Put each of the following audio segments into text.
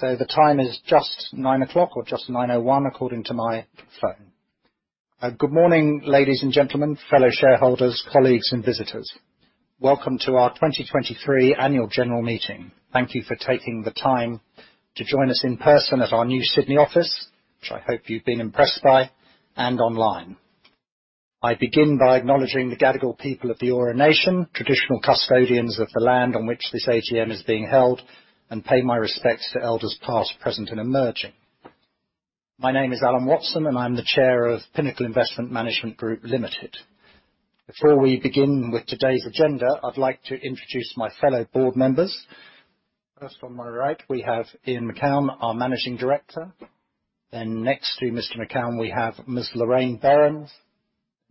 The time is just 9:00 A.M., or just 9:01 A.M., according to my phone. Good morning, ladies and gentlemen, fellow shareholders, colleagues, and visitors. Welcome to our 2023 annual general meeting. Thank you for taking the time to join us in person at our new Sydney office, which I hope you've been impressed by, and online. I begin by acknowledging the Gadigal people of the Eora Nation, traditional custodians of the land on which this AGM is being held, and pay my respects to elders past, present, and emerging. My name is Alan Watson, and I'm the Chair of Pinnacle Investment Management Group Limited. Before we begin with today's agenda, I'd like to introduce my fellow board members. First, on my right, we have Ian Macoun, our Managing Director. Then next to Mr. Macoun, we have Ms. Lorraine Berends,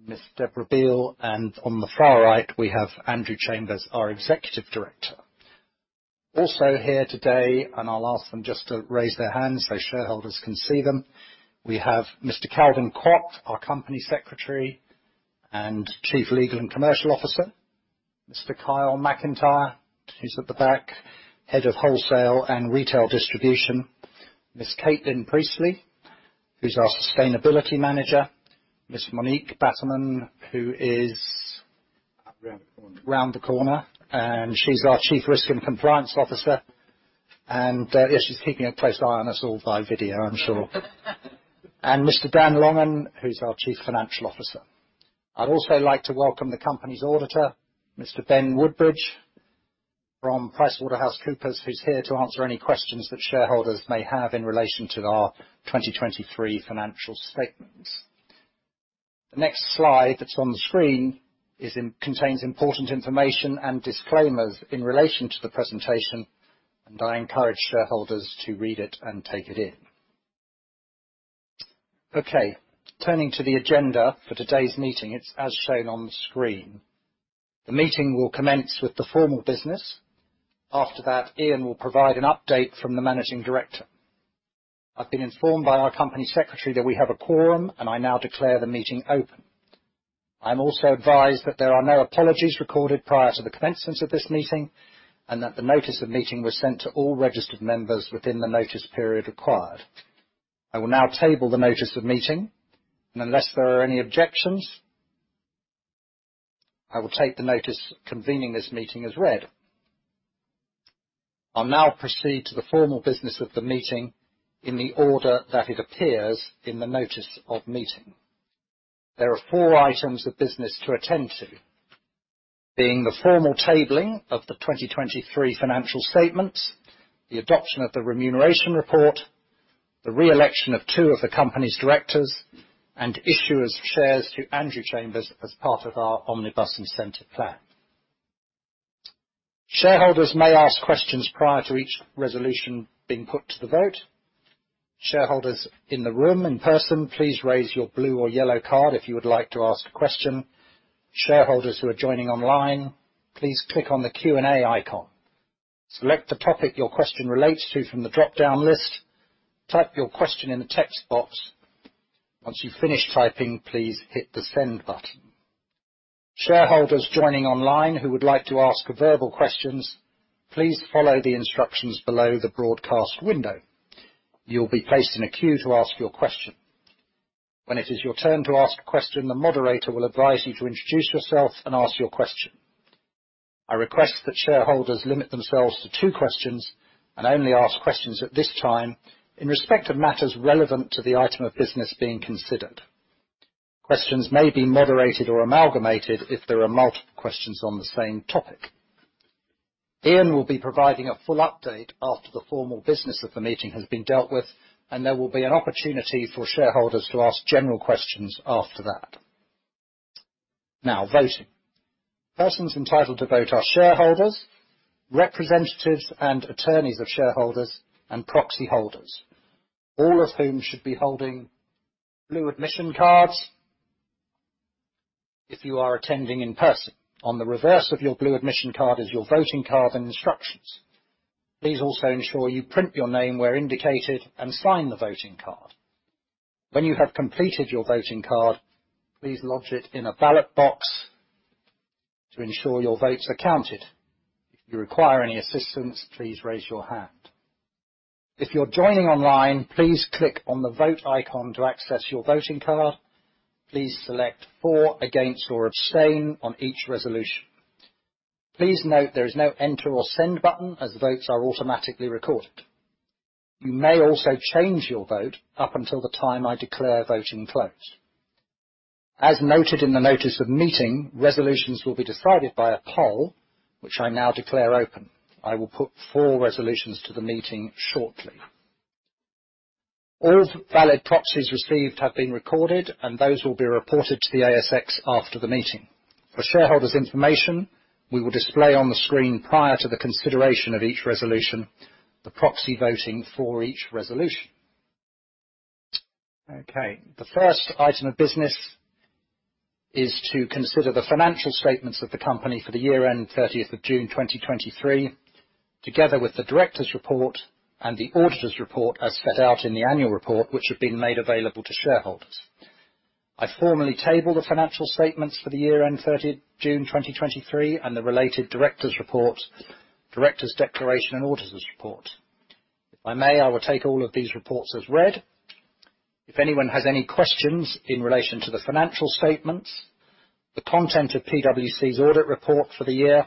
Ms. Deborah Beale, and on the far right, we have Andrew Chambers, our Executive Director. Also here today, and I'll ask them just to raise their hands so shareholders can see them, we have Mr. Calvin Kwok, our Company Secretary and Chief Legal and Commercial Officer. Mr. Kyle Macintyre, who's at the back, Head of Wholesale and Retail Distribution. Ms. Caitlin Pierce, who's our Sustainability Manager. Ms. Monique Bateman, who is around the corner, and she's our Chief Risk and Compliance Officer, and, yes, she's keeping a close eye on us all by video, I'm sure. And Mr. Dan Longan, who's our Chief Financial Officer. I'd also like to welcome the company's auditor, Mr. Ben Woodbridge, from PricewaterhouseCoopers, who's here to answer any questions that shareholders may have in relation to our 2023 financial statements. The next slide that's on the screen contains important information and disclaimers in relation to the presentation, and I encourage shareholders to read it and take it in. Okay, turning to the agenda for today's meeting, it's as shown on the screen. The meeting will commence with the formal business. After that, Ian will provide an update from the Managing Director. I've been informed by our Company Secretary that we have a quorum, and I now declare the meeting open. I'm also advised that there are no apologies recorded prior to the commencement of this meeting, and that the notice of meeting was sent to all registered members within the notice period required. I will now table the notice of meeting, and unless there are any objections, I will take the notice convening this meeting as read. I'll now proceed to the formal business of the meeting in the order that it appears in the notice of meeting. There are four items of business to attend to, being the formal tabling of the 2023 financial statements, the adoption of the remuneration report, the re-election of two of the company's directors, and issue of shares to Andrew Chambers as part of our Omnibus Incentive Plan. Shareholders may ask questions prior to each resolution being put to the vote. Shareholders in the room, in person, please raise your blue or yellow card if you would like to ask a question. Shareholders who are joining online, please click on the Q&A icon. Select the topic your question relates to from the dropdown list, type your question in the text box. Once you've finished typing, please hit the Send button. Shareholders joining online who would like to ask verbal questions, please follow the instructions below the broadcast window. You'll be placed in a queue to ask your question. When it is your turn to ask a question, the moderator will advise you to introduce yourself and ask your question. I request that shareholders limit themselves to two questions, and only ask questions at this time in respect of matters relevant to the item of business being considered. Questions may be moderated or amalgamated if there are multiple questions on the same topic. Ian will be providing a full update after the formal business of the meeting has been dealt with, and there will be an opportunity for shareholders to ask general questions after that. Now, voting. Persons entitled to vote are shareholders, representatives and attorneys of shareholders, and proxy holders, all of whom should be holding blue admission cards. If you are attending in person, on the reverse of your blue admission card is your voting card and instructions. Please also ensure you print your name where indicated and sign the voting card. When you have completed your voting card, please lodge it in a ballot box to ensure your votes are counted. If you require any assistance, please raise your hand. If you're joining online, please click on the Vote icon to access your voting card. Please select For, Against, or Abstain on each resolution. Please note there is no Enter or Send button, as votes are automatically recorded. You may also change your vote up until the time I declare voting closed. As noted in the notice of meeting, resolutions will be decided by a poll, which I now declare open. I will put four resolutions to the meeting shortly. All valid proxies received have been recorded, and those will be reported to the ASX after the meeting. For shareholders' information, we will display on the screen prior to the consideration of each resolution, the proxy voting for each resolution. Okay, the first item of business is to consider the financial statements of the company for the year-end 30th of June 2023, together with the Directors' Report and the auditor's report, as set out in the annual report, which have been made available to shareholders. I formally table the financial statements for the year-end 30 June 2023, and the related directors' report, directors' declaration, and auditors' report. If I may, I will take all of these reports as read. If anyone has any questions in relation to the financial statements, the content of PwC's audit report for the year,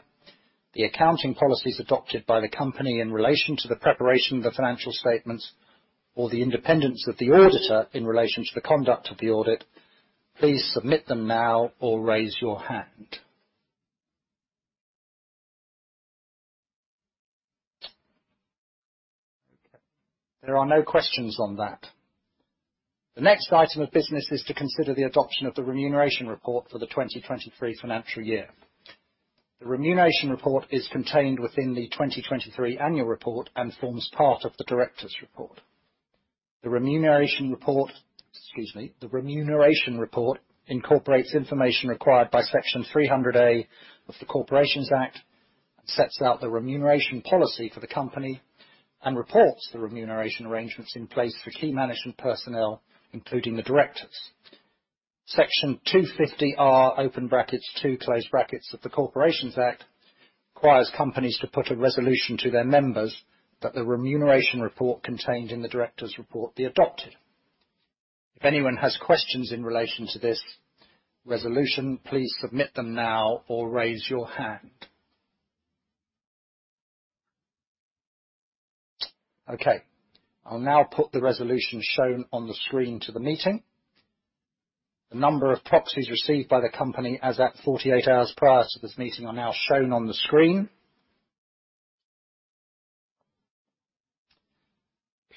the accounting policies adopted by the company in relation to the preparation of the financial statements, or the independence of the auditor in relation to the conduct of the audit, please submit them now or raise your hand. Okay, there are no questions on that. The next item of business is to consider the adoption of the remuneration report for the 2023 financial year. The remuneration report is contained within the 2023 annual report and forms part of the directors' report. The remuneration report, excuse me, the remuneration report incorporates information required by Section 300A of the Corporations Act, and sets out the remuneration policy for the company, and reports the remuneration arrangements in place for key management personnel, including the directors. Section 250R(2) of the Corporations Act requires companies to put a resolution to their members that the remuneration report contained in the directors' report be adopted. If anyone has questions in relation to this resolution, please submit them now or raise your hand. Okay, I'll now put the resolution shown on the screen to the meeting. The number of proxies received by the company as at 48 hours prior to this meeting are now shown on the screen.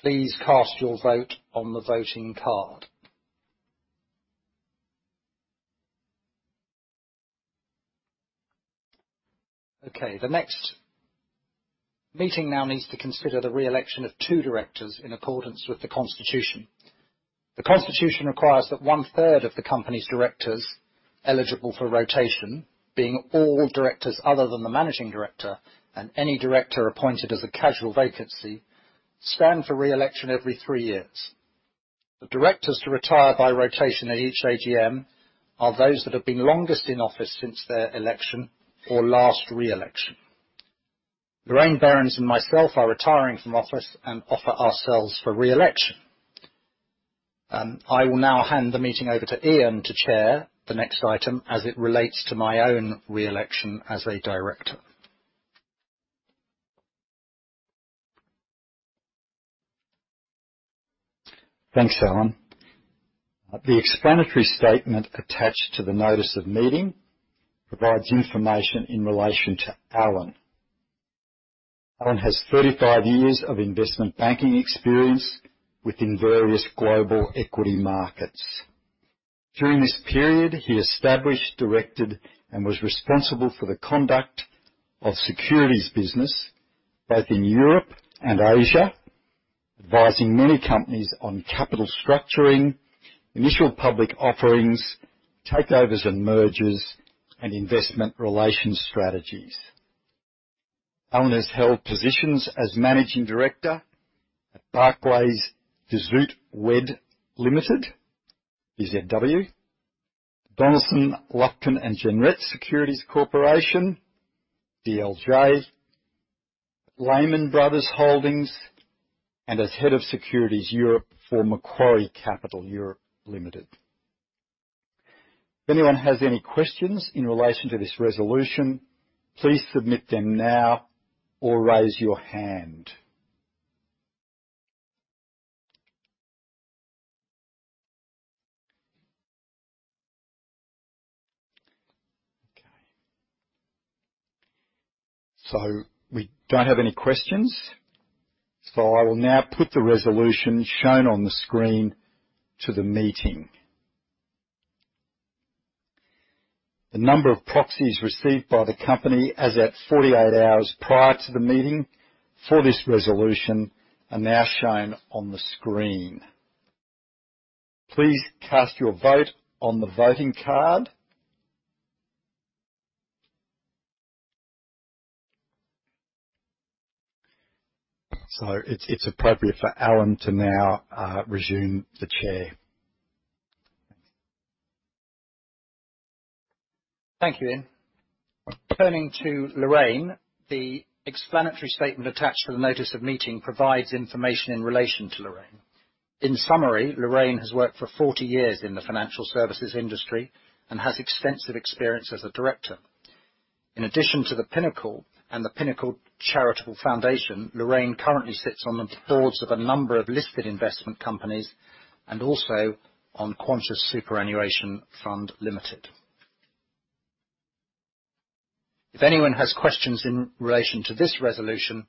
Please cast your vote on the voting card. Okay, the next meeting now needs to consider the re-election of two directors in accordance with the constitution. The constitution requires that one-third of the company's directors eligible for rotation, being all directors other than the managing director and any director appointed as a casual vacancy, stand for re-election every three years. The directors to retire by rotation at each AGM are those that have been longest in office since their election or last re-election. Lorraine Berends and myself are retiring from office and offer ourselves for re-election. I will now hand the meeting over to Ian to chair the next item as it relates to my own re-election as a director. Thanks, Alan. The explanatory statement attached to the notice of meeting provides information in relation to Alan. Alan has 35 years of investment banking experience within various global equity markets. During this period, he established, directed, and was responsible for the conduct of securities business both in Europe and Asia, advising many companies on capital structuring, initial public offerings, takeovers and mergers, and investment relations strategies. Alan has held positions as managing director at Barclays de Zoete Wedd Limited, BZW, Donaldson, Lufkin, and Jenrette Securities Corporation, DLJ, Lehman Brothers Holdings, and as head of Securities Europe for Macquarie Capital Europe Limited. If anyone has any questions in relation to this resolution, please submit them now or raise your hand. Okay. So we don't have any questions, so I will now put the resolution shown on the screen to the meeting. The number of proxies received by the company as at 48 hours prior to the meeting for this resolution are now shown on the screen. Please cast your vote on the voting card. So it's, it's appropriate for Alan to now resume the chair. Thank you, Ian. Turning to Lorraine, the explanatory statement attached to the notice of meeting provides information in relation to Lorraine. In summary, Lorraine has worked for 40 years in the financial services industry and has extensive experience as a director. In addition to the Pinnacle and the Pinnacle Charitable Foundation, Lorraine currently sits on the boards of a number of listed investment companies and also on Qantas Superannuation Fund Limited. If anyone has questions in relation to this resolution,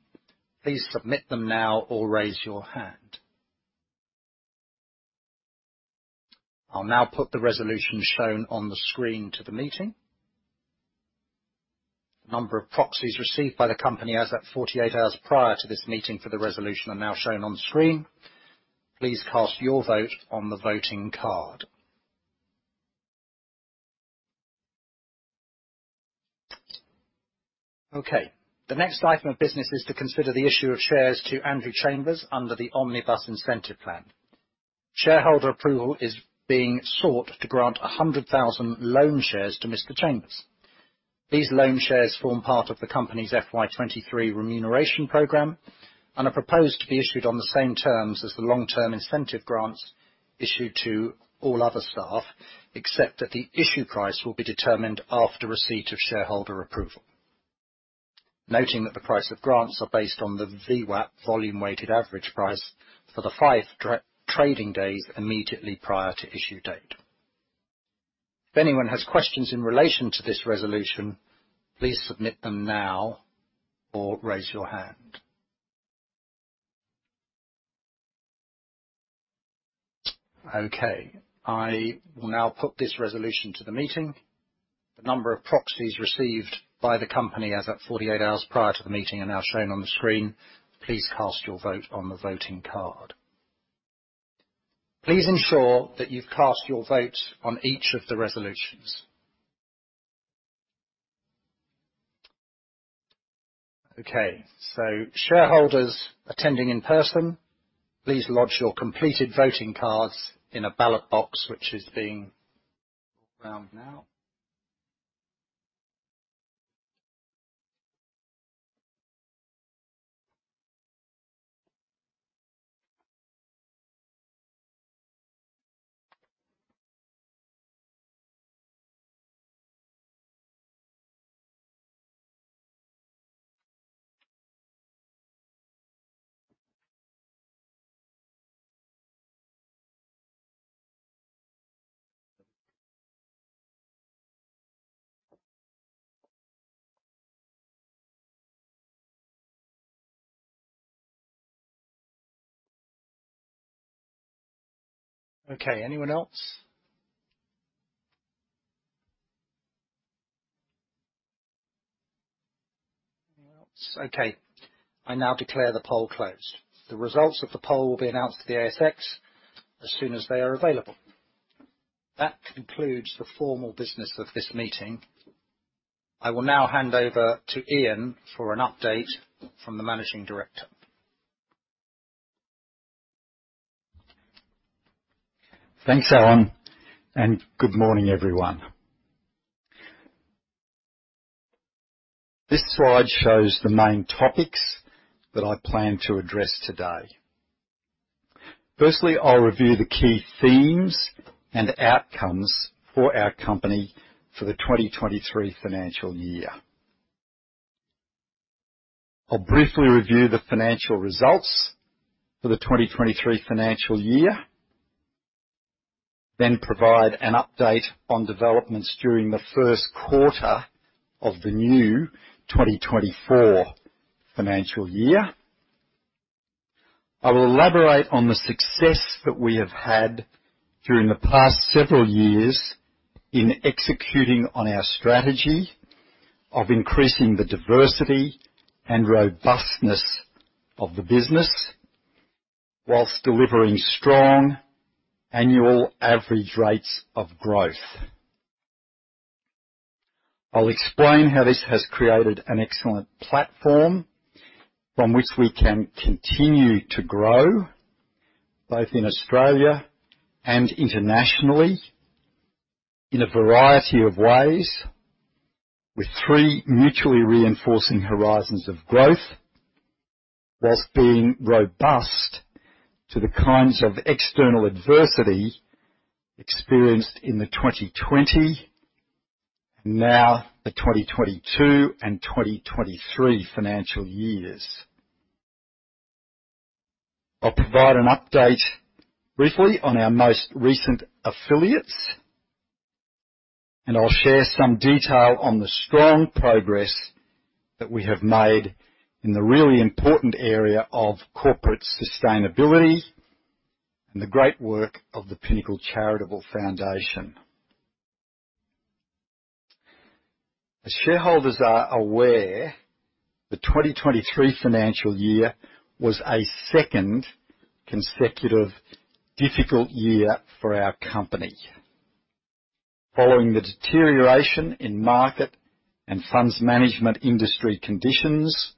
please submit them now or raise your hand. I'll now put the resolution shown on the screen to the meeting. The number of proxies received by the company as at 48 hours prior to this meeting for the resolution are now shown on screen. Please cast your vote on the voting card.... Okay. The next item of business is to consider the issue of shares to Andrew Chambers under the Omnibus Incentive Plan. Shareholder approval is being sought to grant 100,000 loan shares to Mr. Chambers. These loan shares form part of the company's FY 2023 remuneration program and are proposed to be issued on the same terms as the long-term incentive grants issued to all other staff, except that the issue price will be determined after receipt of shareholder approval. Noting that the price of grants are based on the VWAP, Volume-Weighted Average Price, for the five trading days immediately prior to issue date. If anyone has questions in relation to this resolution, please submit them now or raise your hand. Okay, I will now put this resolution to the meeting. The number of proxies received by the company, as at 48 hours prior to the meeting, are now shown on the screen. Please cast your vote on the voting card. Please ensure that you've cast your vote on each of the resolutions. Okay, so shareholders attending in person, please lodge your completed voting cards in a ballot box, which is being around now. Okay, anyone else? Anyone else? Okay, I now declare the poll closed. The results of the poll will be announced to the ASX as soon as they are available. That concludes the formal business of this meeting. I will now hand over to Ian for an update from the managing director. Thanks, Alan, and good morning, everyone. This slide shows the main topics that I plan to address today. Firstly, I'll review the key themes and outcomes for our company for the 2023 financial year. I'll briefly review the financial results for the 2023 financial year, then provide an update on developments during the first quarter of the new 2024 financial year. I will elaborate on the success that we have had during the past several years in executing on our strategy of increasing the diversity and robustness of the business, whilst delivering strong annual average rates of growth. I'll explain how this has created an excellent platform from which we can continue to grow, both in Australia and internationally, in a variety of ways, with three mutually reinforcing horizons of growth, while being robust to the kinds of external adversity experienced in the 2020, and now the 2022 and 2023 financial years. I'll provide an update briefly on our most recent affiliates, and I'll share some detail on the strong progress that we have made in the really important area of corporate sustainability and the great work of the Pinnacle Charitable Foundation. As shareholders are aware, the 2023 financial year was a second consecutive difficult year for our company, following the deterioration in market and funds management industry conditions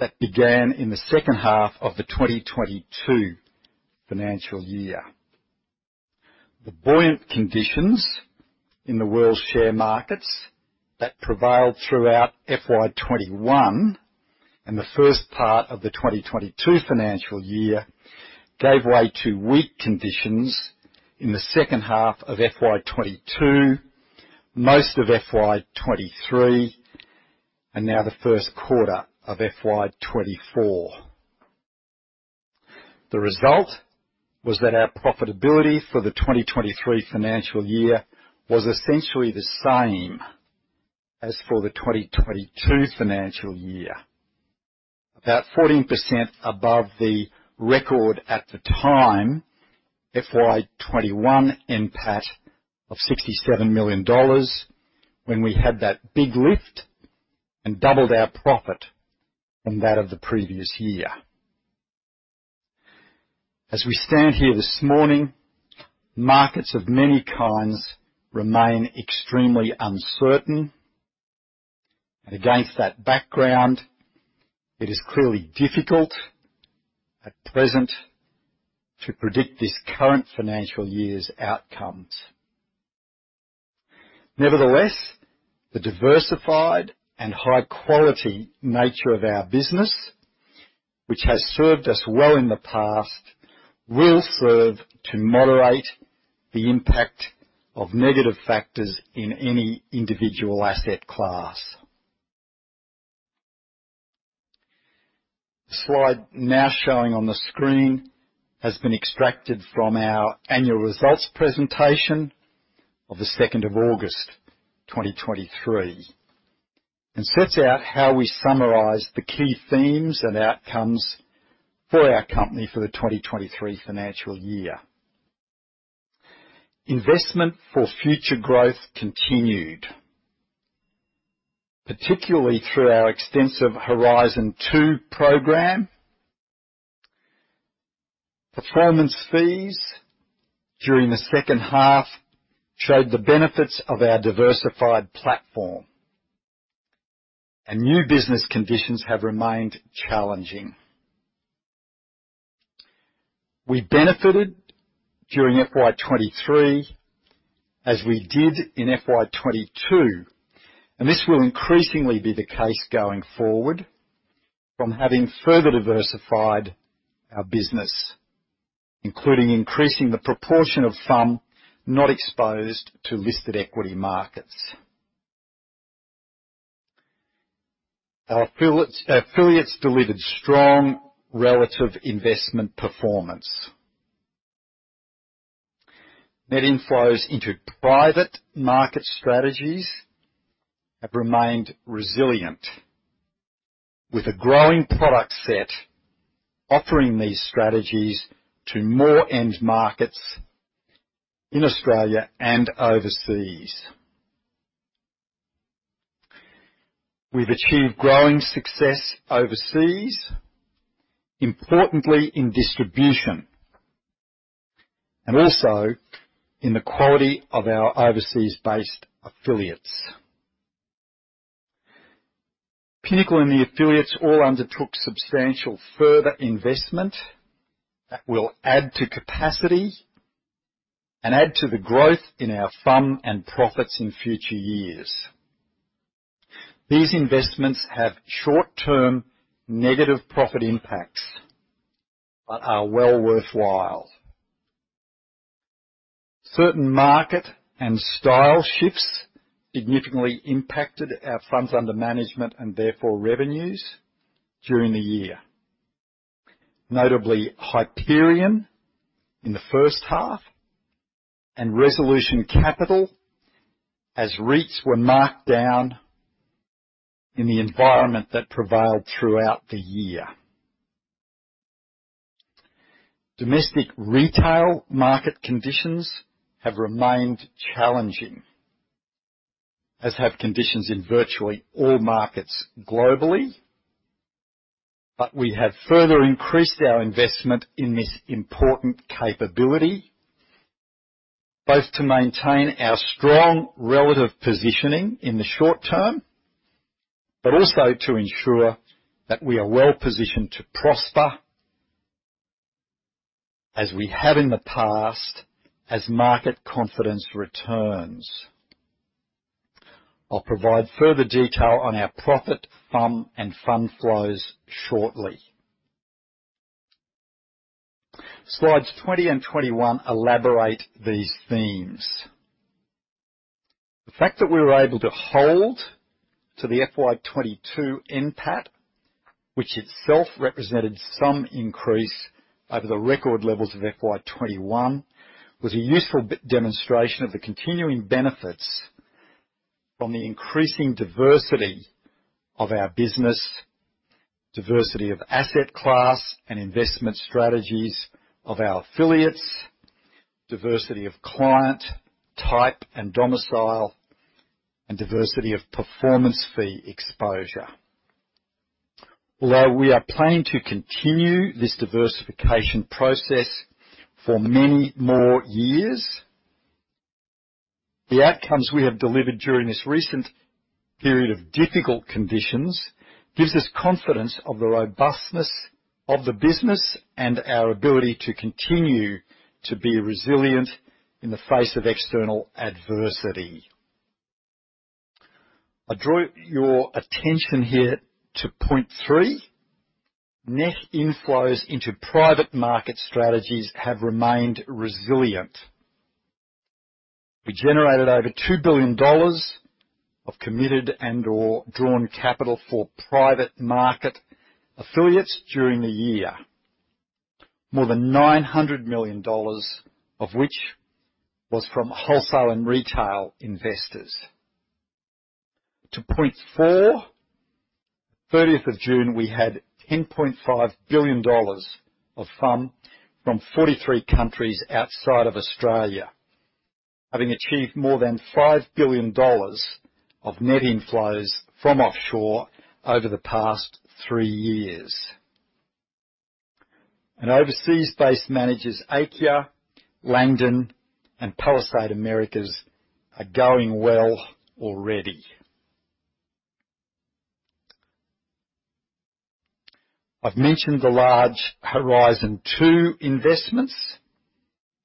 that began in the second half of the 2022 financial year. The buoyant conditions in the world's share markets that prevailed throughout FY 2021 and the first part of the 2022 financial year gave way to weak conditions in the second half of FY 2022, most of FY 2023, and now the first quarter of FY 2024. The result was that our profitability for the 2023 financial year was essentially the same as for the 2022 financial year. About 14% above the record at the time, FY 2021 NPAT of 67 million dollars, when we had that big lift and doubled our profit from that of the previous year. As we stand here this morning, markets of many kinds remain extremely uncertain, and against that background, it is clearly difficult at present to predict this current financial year's outcomes. Nevertheless, the diversified and high-quality nature of our business, which has served us well in the past, will serve to moderate the impact of negative factors in any individual asset class. The slide now showing on the screen has been extracted from our annual results presentation of the 2nd of August 2023, and sets out how we summarize the key themes and outcomes for our company for the 2023 financial year. Investment for future growth continued, particularly through our extensive Horizon Two program. Performance fees during the second half showed the benefits of our diversified platform, and new business conditions have remained challenging. We benefited during FY 2023, as we did in FY 2022, and this will increasingly be the case going forward from having further diversified our business, including increasing the proportion of FUM not exposed to listed equity markets. Our affiliates delivered strong relative investment performance. Net inflows into private market strategies have remained resilient, with a growing product set offering these strategies to more end markets in Australia and overseas. We've achieved growing success overseas, importantly in distribution, and also in the quality of our overseas-based affiliates. Pinnacle and the affiliates all undertook substantial further investment that will add to capacity and add to the growth in our FUM and profits in future years. These investments have short-term negative profit impacts, but are well worthwhile. Certain market and style shifts significantly impacted our funds under management, and therefore revenues, during the year. Notably, Hyperion in the first half, and Resolution Capital, as REITs were marked down in the environment that prevailed throughout the year. Domestic retail market conditions have remained challenging, as have conditions in virtually all markets globally. But we have further increased our investment in this important capability, both to maintain our strong relative positioning in the short term, but also to ensure that we are well positioned to prosper as we have in the past, as market confidence returns. I'll provide further detail on our profit, FUM, and fund flows shortly. Slides 20 and 21 elaborate these themes. The fact that we were able to hold to the FY 2022 NPAT, which itself represented some increase over the record levels of FY 2021, was a useful demonstration of the continuing benefits from the increasing diversity of our business, diversity of asset class and investment strategies of our affiliates, diversity of client type and domicile, and diversity of performance fee exposure. Although we are planning to continue this diversification process for many more years, the outcomes we have delivered during this recent period of difficult conditions gives us confidence of the robustness of the business and our ability to continue to be resilient in the face of external adversity. I draw your attention here to point three: "Net inflows into private market strategies have remained resilient." We generated over 2 billion dollars of committed and/or drawn capital for private market affiliates during the year, more than 900 million dollars of which was from wholesale and retail investors. To point four, 30th of June, we had 10.5 billion dollars of FUM from 43 countries outside of Australia... having achieved more than 5 billion dollars of net inflows from offshore over the past 3 years. And overseas-based managers, Aikya, Langdon, and Palisade Americas, are going well already. I've mentioned the large Horizon2 investments,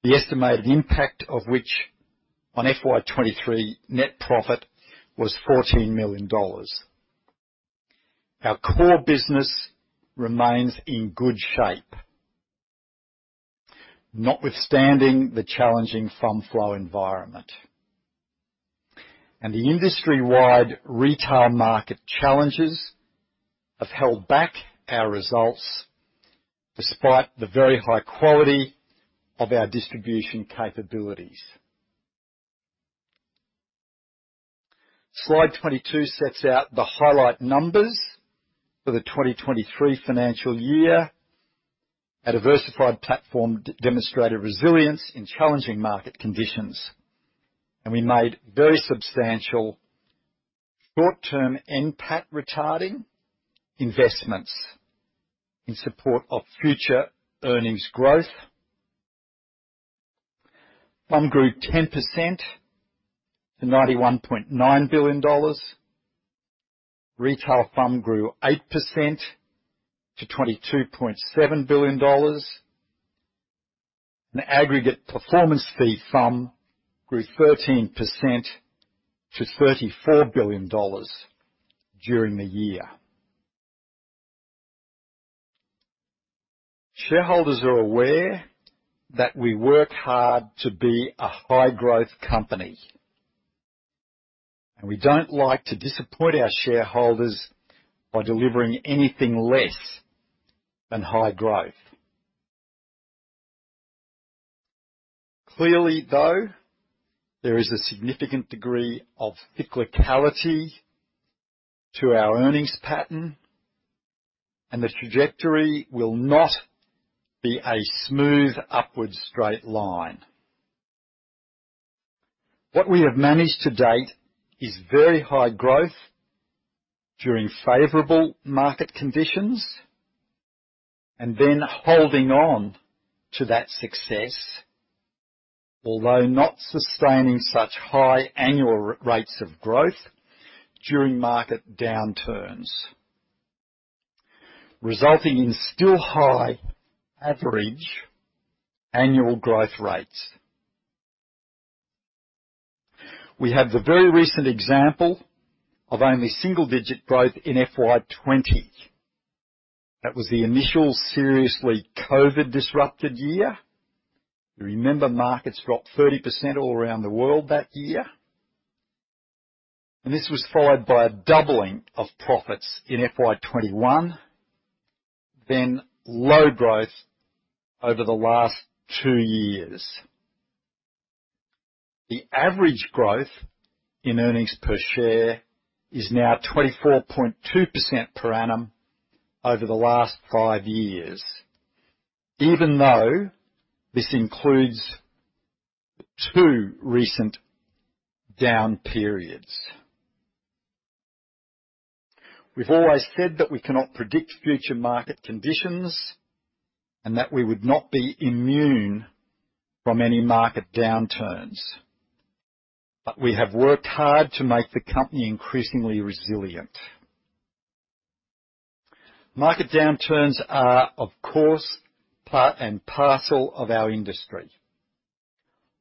the estimated impact of which on FY 2023 net profit was 14 million dollars. Our core business remains in good shape, notwithstanding the challenging FUM flow environment. The industry-wide retail market challenges have held back our results, despite the very high quality of our distribution capabilities. Slide 22 sets out the highlight numbers for the 2023 financial year. Our diversified platform demonstrated resilience in challenging market conditions, and we made very substantial short-term NPAT-retarding investments in support of future earnings growth. FUM grew 10% to 91.9 billion dollars. Retail FUM grew 8% to 22.7 billion dollars. Aggregate performance fee FUM grew 13% to 34 billion dollars during the year. Shareholders are aware that we work hard to be a high-growth company, and we don't like to disappoint our shareholders by delivering anything less than high growth. Clearly, though, there is a significant degree of cyclicality to our earnings pattern, and the trajectory will not be a smooth, upward, straight line. What we have managed to date is very high growth during favorable market conditions, and then holding on to that success, although not sustaining such high annual rates of growth during market downturns, resulting in still high average annual growth rates. We have the very recent example of only single-digit growth in FY 2020. That was the initial seriously COVID-disrupted year. You remember markets dropped 30% all around the world that year, and this was followed by a doubling of profits in FY 2021, then low growth over the last two years. The average growth in earnings per share is now 24.2% per annum over the last 5 years, even though this includes 2 recent down periods. We've always said that we cannot predict future market conditions, and that we would not be immune from any market downturns, but we have worked hard to make the company increasingly resilient. Market downturns are, of course, part and parcel of our industry.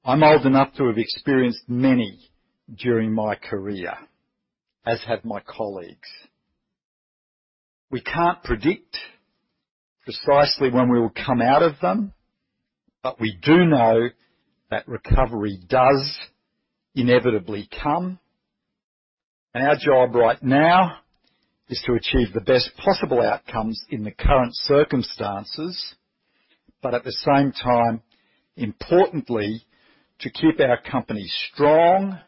I'm old enough to have experienced many during my career, as have my colleagues. We can't predict precisely when we will come out of them, but we do know that recovery does inevitably come, and our job right now is to achieve the best possible outcomes in the current circumstances. But at the same time, importantly, to keep our company strong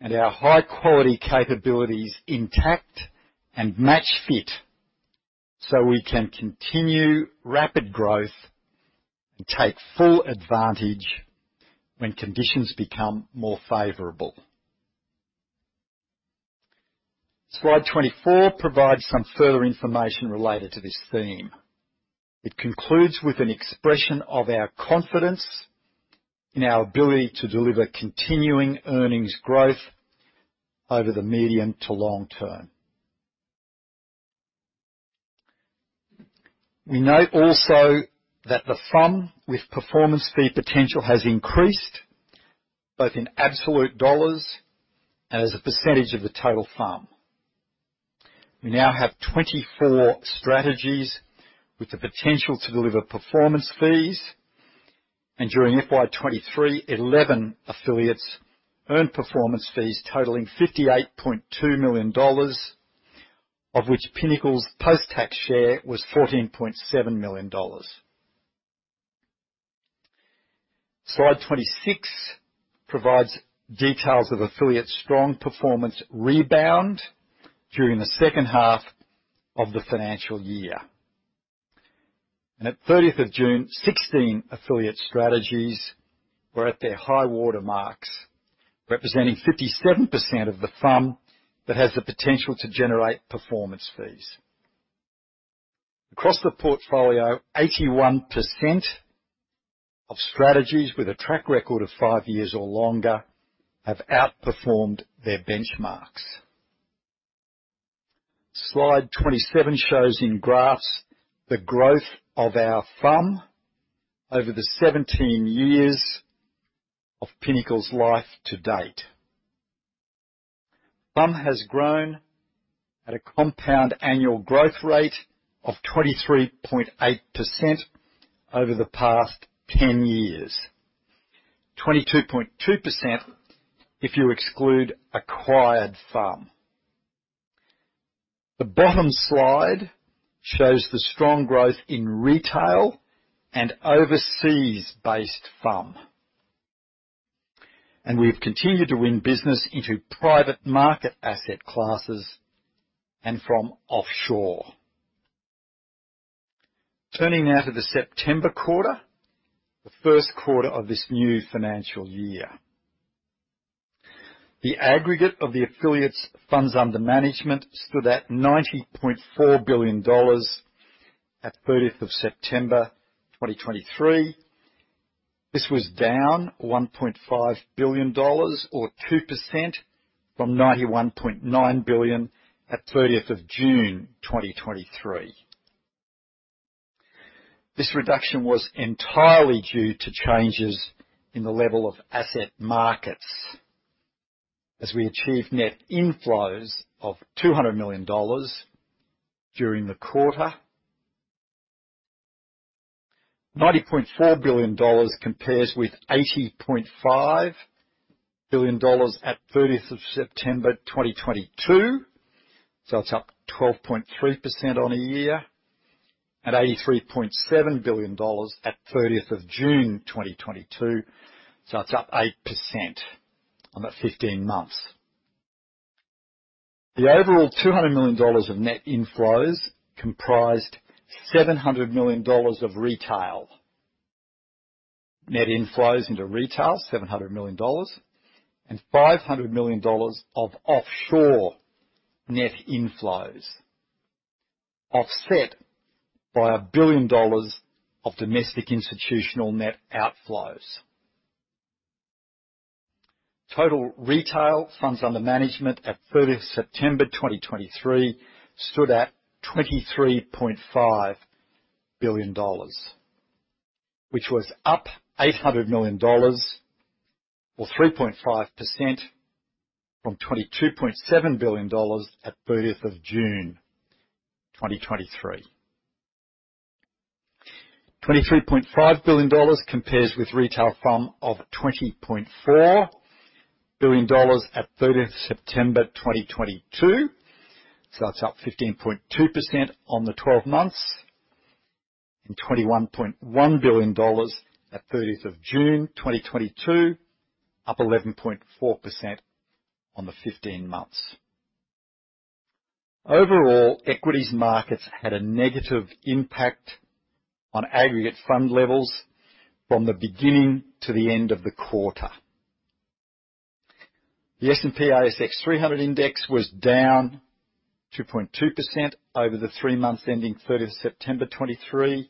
and our high-quality capabilities intact and match fit, so we can continue rapid growth and take full advantage when conditions become more favorable. Slide 24 provides some further information related to this theme. It concludes with an expression of our confidence in our ability to deliver continuing earnings growth over the medium to long term. We note also that the FUM, with performance fee potential, has increased both in absolute dollars and as a percentage of the total FUM. We now have 24 strategies with the potential to deliver performance fees. During FY 2023, 11 affiliates earned performance fees totaling 58.2 million dollars, of which Pinnacle's post-tax share was 14.7 million dollars. Slide 26 provides details of affiliates' strong performance rebound during the second half of the financial year. At 30th of June, 16 affiliate strategies were at their high-water marks, representing 57% of the FUM that has the potential to generate performance fees. Across the portfolio, 81% of strategies with a track record of five years or longer have outperformed their benchmarks. Slide 27 shows in graphs the growth of our FUM over the 17 years of Pinnacle's life to date. FUM has grown at a compound annual growth rate of 23.8% over the past 10 years. 22.2% if you exclude acquired FUM. The bottom slide shows the strong growth in retail and overseas-based FUM, and we've continued to win business into private market asset classes and from offshore. Turning now to the September quarter, the first quarter of this new financial year. The aggregate of the affiliates' funds under management stood at 90.4 billion dollars at thirtieth of September, 2023. This was down 1.5 billion dollars, or 2%, from 91.9 billion at thirtieth of June, 2023. This reduction was entirely due to changes in the level of asset markets as we achieved net inflows of 200 million dollars during the quarter. 90.4 billion dollars compares with 80.5 billion dollars at thirtieth of September, 2022, so it's up 12.3% on a year, and 83.7 billion dollars at thirtieth of June, 2022, so it's up 8% on the 15 months. The overall 200 million dollars of net inflows comprised 700 million dollars of retail. Net inflows into retail, 700 million dollars, and 500 million dollars of offshore net inflows, offset by 1 billion dollars of domestic institutional net outflows. Total retail funds under management at 30th September 2023 stood at 23.5 billion dollars, which was up 800 million dollars, or 3.5%, from 22.7 billion dollars at 30th June 2023. 23.5 billion dollars compares with retail FUM of 20.4 billion dollars at 30th September 2022, so that's up 15.2% on the twelve months, and 21.1 billion dollars at 30th June 2022, up 11.4% on the fifteen months. Overall, equities markets had a negative impact on aggregate fund levels from the beginning to the end of the quarter. The S&P/ASX 300 Index was down 2.2% over the three months ending thirtieth of September 2023.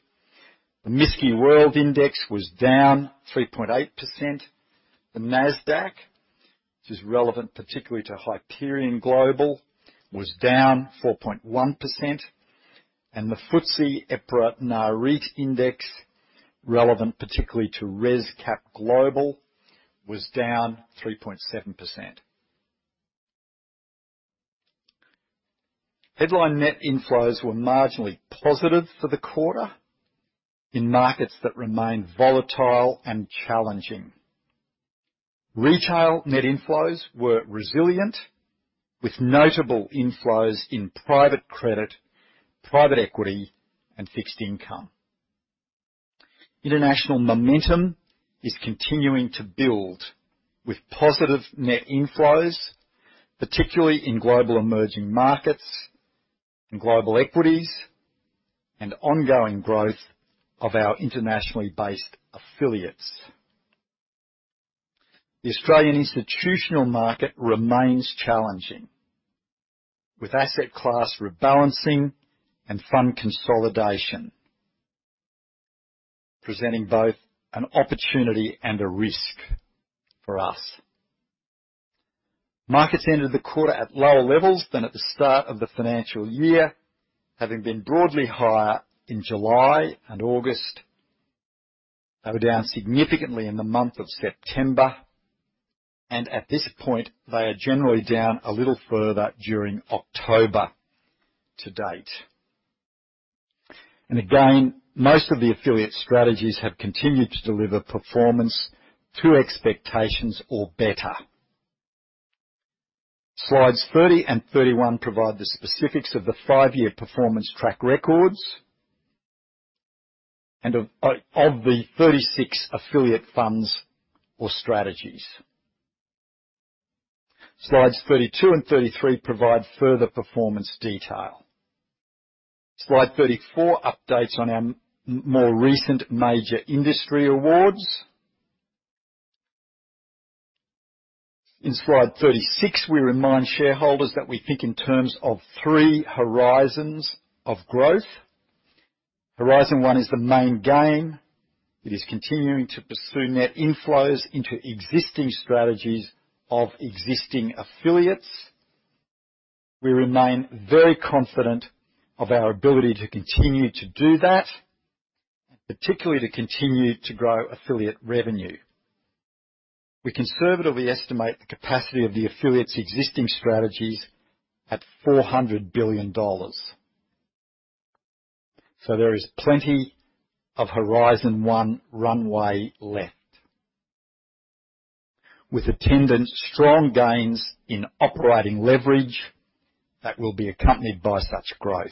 The MSCI World Index was down 3.8%. The Nasdaq, which is relevant particularly to Hyperion Global, was down 4.1%, and the FTSE EPRA Nareit Index, relevant particularly to ResCap Global, was down 3.7%. Headline net inflows were marginally positive for the quarter in markets that remained volatile and challenging. Retail net inflows were resilient, with notable inflows in private credit, private equity, and fixed income. International momentum is continuing to build, with positive net inflows, particularly in global emerging markets and global equities, and ongoing growth of our internationally based affiliates. The Australian institutional market remains challenging, with asset class rebalancing and fund consolidation, presenting both an opportunity and a risk for us. Markets ended the quarter at lower levels than at the start of the financial year, having been broadly higher in July and August. They were down significantly in the month of September, and at this point, they are generally down a little further during October to date. And again, most of the affiliate strategies have continued to deliver performance to expectations or better. Slides 30 and 31 provide the specifics of the five-year performance track records and of the 36 affiliate funds or strategies. Slides 32 and 33 provide further performance detail. Slide 34 updates on our more recent major industry awards. In slide 36, we remind shareholders that we think in terms of three horizons of growth. Horizon One is the main game. It is continuing to pursue net inflows into existing strategies of existing affiliates. We remain very confident of our ability to continue to do that, particularly to continue to grow affiliate revenue. We conservatively estimate the capacity of the affiliates' existing strategies at 400 billion dollars. So there is plenty of Horizon One runway left, with attendant strong gains in operating leverage that will be accompanied by such growth.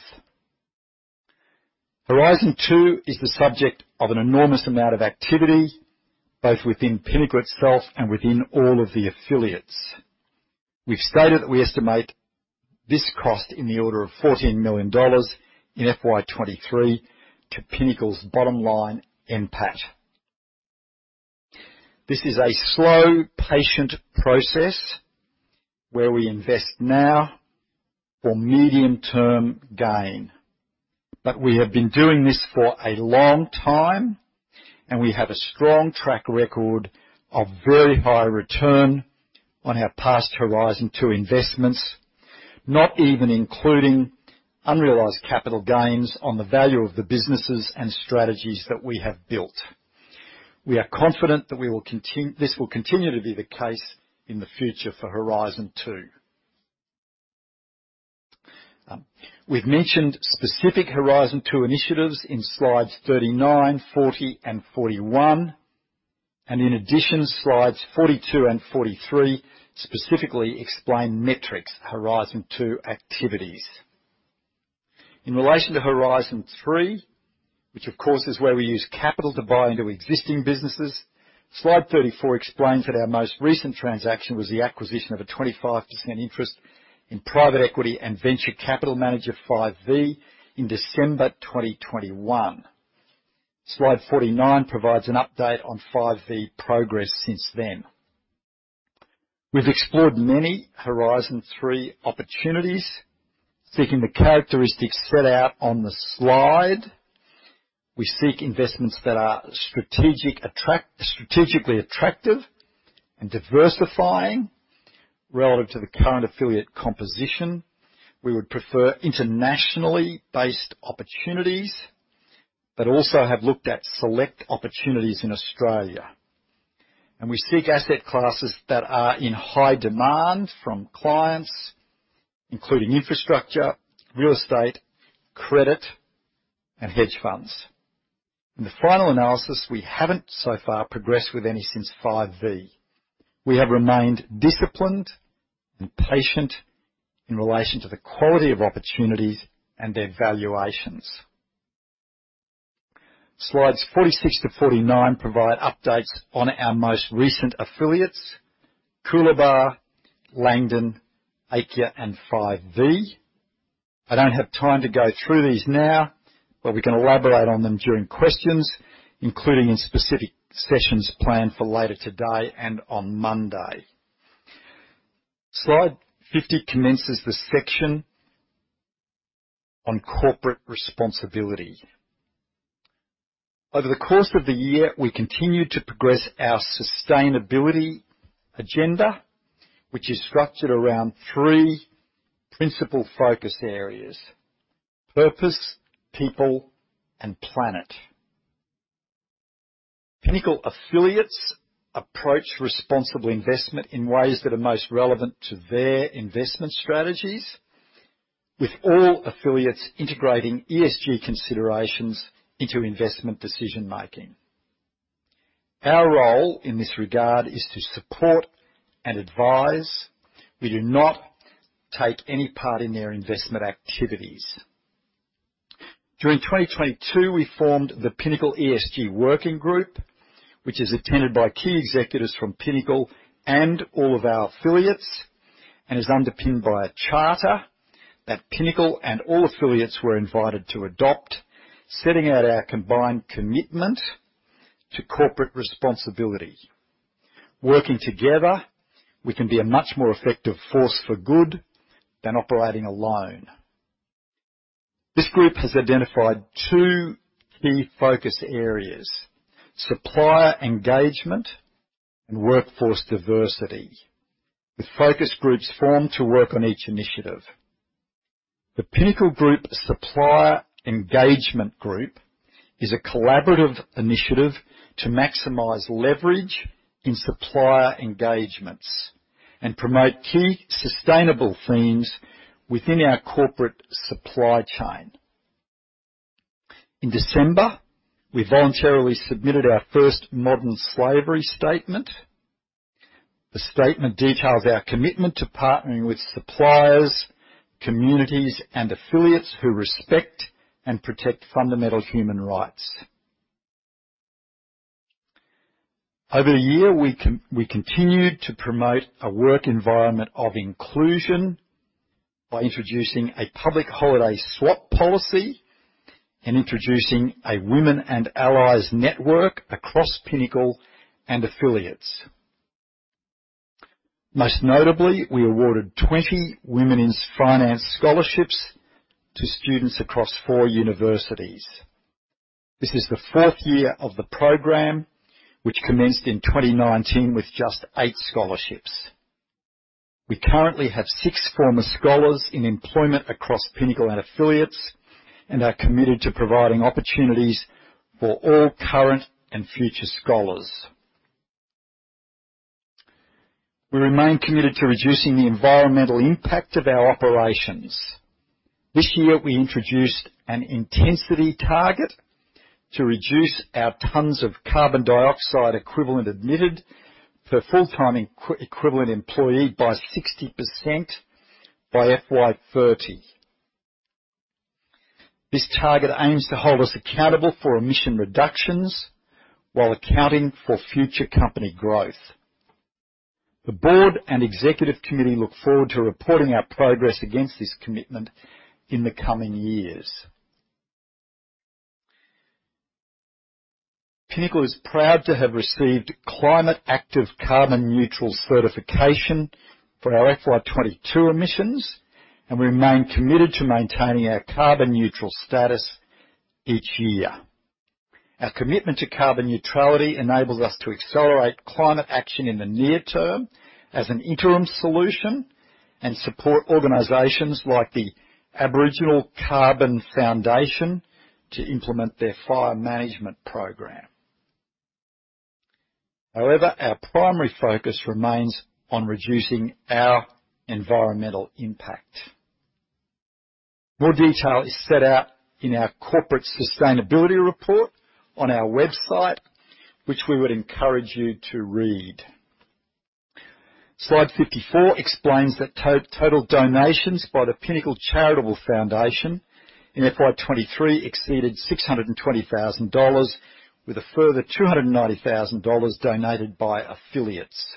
Horizon Two is the subject of an enormous amount of activity, both within Pinnacle itself and within all of the affiliates. We've stated that we estimate this cost in the order of 14 million dollars in FY 2023 to Pinnacle's bottom line NPAT. This is a slow, patient process where we invest now for medium-term gain. But we have been doing this for a long time, and we have a strong track record of very high return on our past Horizon Two investments, not even including unrealized capital gains on the value of the businesses and strategies that we have built. We are confident that this will continue to be the case in the future for Horizon Two. We've mentioned specific Horizon Two initiatives in slides 39, 40, and 41, and in addition, slides 42 and 43 specifically explain Metrics Horizon Two activities. In relation to Horizon Three, which of course is where we use capital to buy into existing businesses. Slide 34 explains that our most recent transaction was the acquisition of a 25% interest in private equity and venture capital manager, Five V, in December 2021. Slide 49 provides an update on Five V progress since then. We've explored many Horizon Three opportunities, seeking the characteristics set out on the slide. We seek investments that are strategically attractive and diversifying relative to the current affiliate composition. We would prefer internationally based opportunities, but also have looked at select opportunities in Australia. We seek asset classes that are in high demand from clients, including infrastructure, real estate, credit, and hedge funds. In the final analysis, we haven't so far progressed with any since Five V. We have remained disciplined and patient in relation to the quality of opportunities and their valuations. Slides 46-49 provide updates on our most recent affiliates, Coolabah, Langdon, Aikya, and Five V. I don't have time to go through these now, but we can elaborate on them during questions, including in specific sessions planned for later today and on Monday. Slide 50 commences the section on corporate responsibility. Over the course of the year, we continued to progress our sustainability agenda, which is structured around three principal focus areas: purpose, people, and planet. Pinnacle affiliates approach responsible investment in ways that are most relevant to their investment strategies, with all affiliates integrating ESG considerations into investment decision-making. Our role in this regard is to support and advise. We do not take any part in their investment activities. During 2022, we formed the Pinnacle ESG Working Group, which is attended by key executives from Pinnacle and all of our affiliates, and is underpinned by a charter that Pinnacle and all affiliates were invited to adopt, setting out our combined commitment to corporate responsibility. Working together, we can be a much more effective force for good than operating alone. This group has identified two key focus areas: supplier engagement and workforce diversity, with focus groups formed to work on each initiative. The Pinnacle Group Supplier Engagement Group is a collaborative initiative to maximize leverage in supplier engagements and promote key sustainable themes within our corporate supply chain. In December, we voluntarily submitted our first modern slavery statement. The statement details our commitment to partnering with suppliers, communities, and affiliates who respect and protect fundamental human rights. Over the year, we continued to promote a work environment of inclusion by introducing a public holiday swap policy and introducing a Women and Allies network across Pinnacle and affiliates. Most notably, we awarded 20 Women in Finance Scholarships to students across four universities. This is the fourth year of the program, which commenced in 2019 with just eight scholarships. We currently have 6 former scholars in employment across Pinnacle and affiliates, and are committed to providing opportunities for all current and future scholars. We remain committed to reducing the environmental impact of our operations. This year, we introduced an intensity target to reduce our tons of carbon dioxide equivalent emitted per full-time equivalent employee by 60% by FY 2030. This target aims to hold us accountable for emission reductions while accounting for future company growth. The board and executive committee look forward to reporting our progress against this commitment in the coming years. Pinnacle is proud to have received Climate Active Carbon Neutral certification for our FY 2022 emissions, and we remain committed to maintaining our carbon neutral status each year. Our commitment to carbon neutrality enables us to accelerate climate action in the near term as an interim solution, and support organizations like the Aboriginal Carbon Foundation to implement their fire management program. However, our primary focus remains on reducing our environmental impact. More detail is set out in our corporate sustainability report on our website, which we would encourage you to read. Slide 54 explains that total donations by the Pinnacle Charitable Foundation in FY 2023 exceeded AUD 620,000, with a further AUD 290,000 donated by affiliates.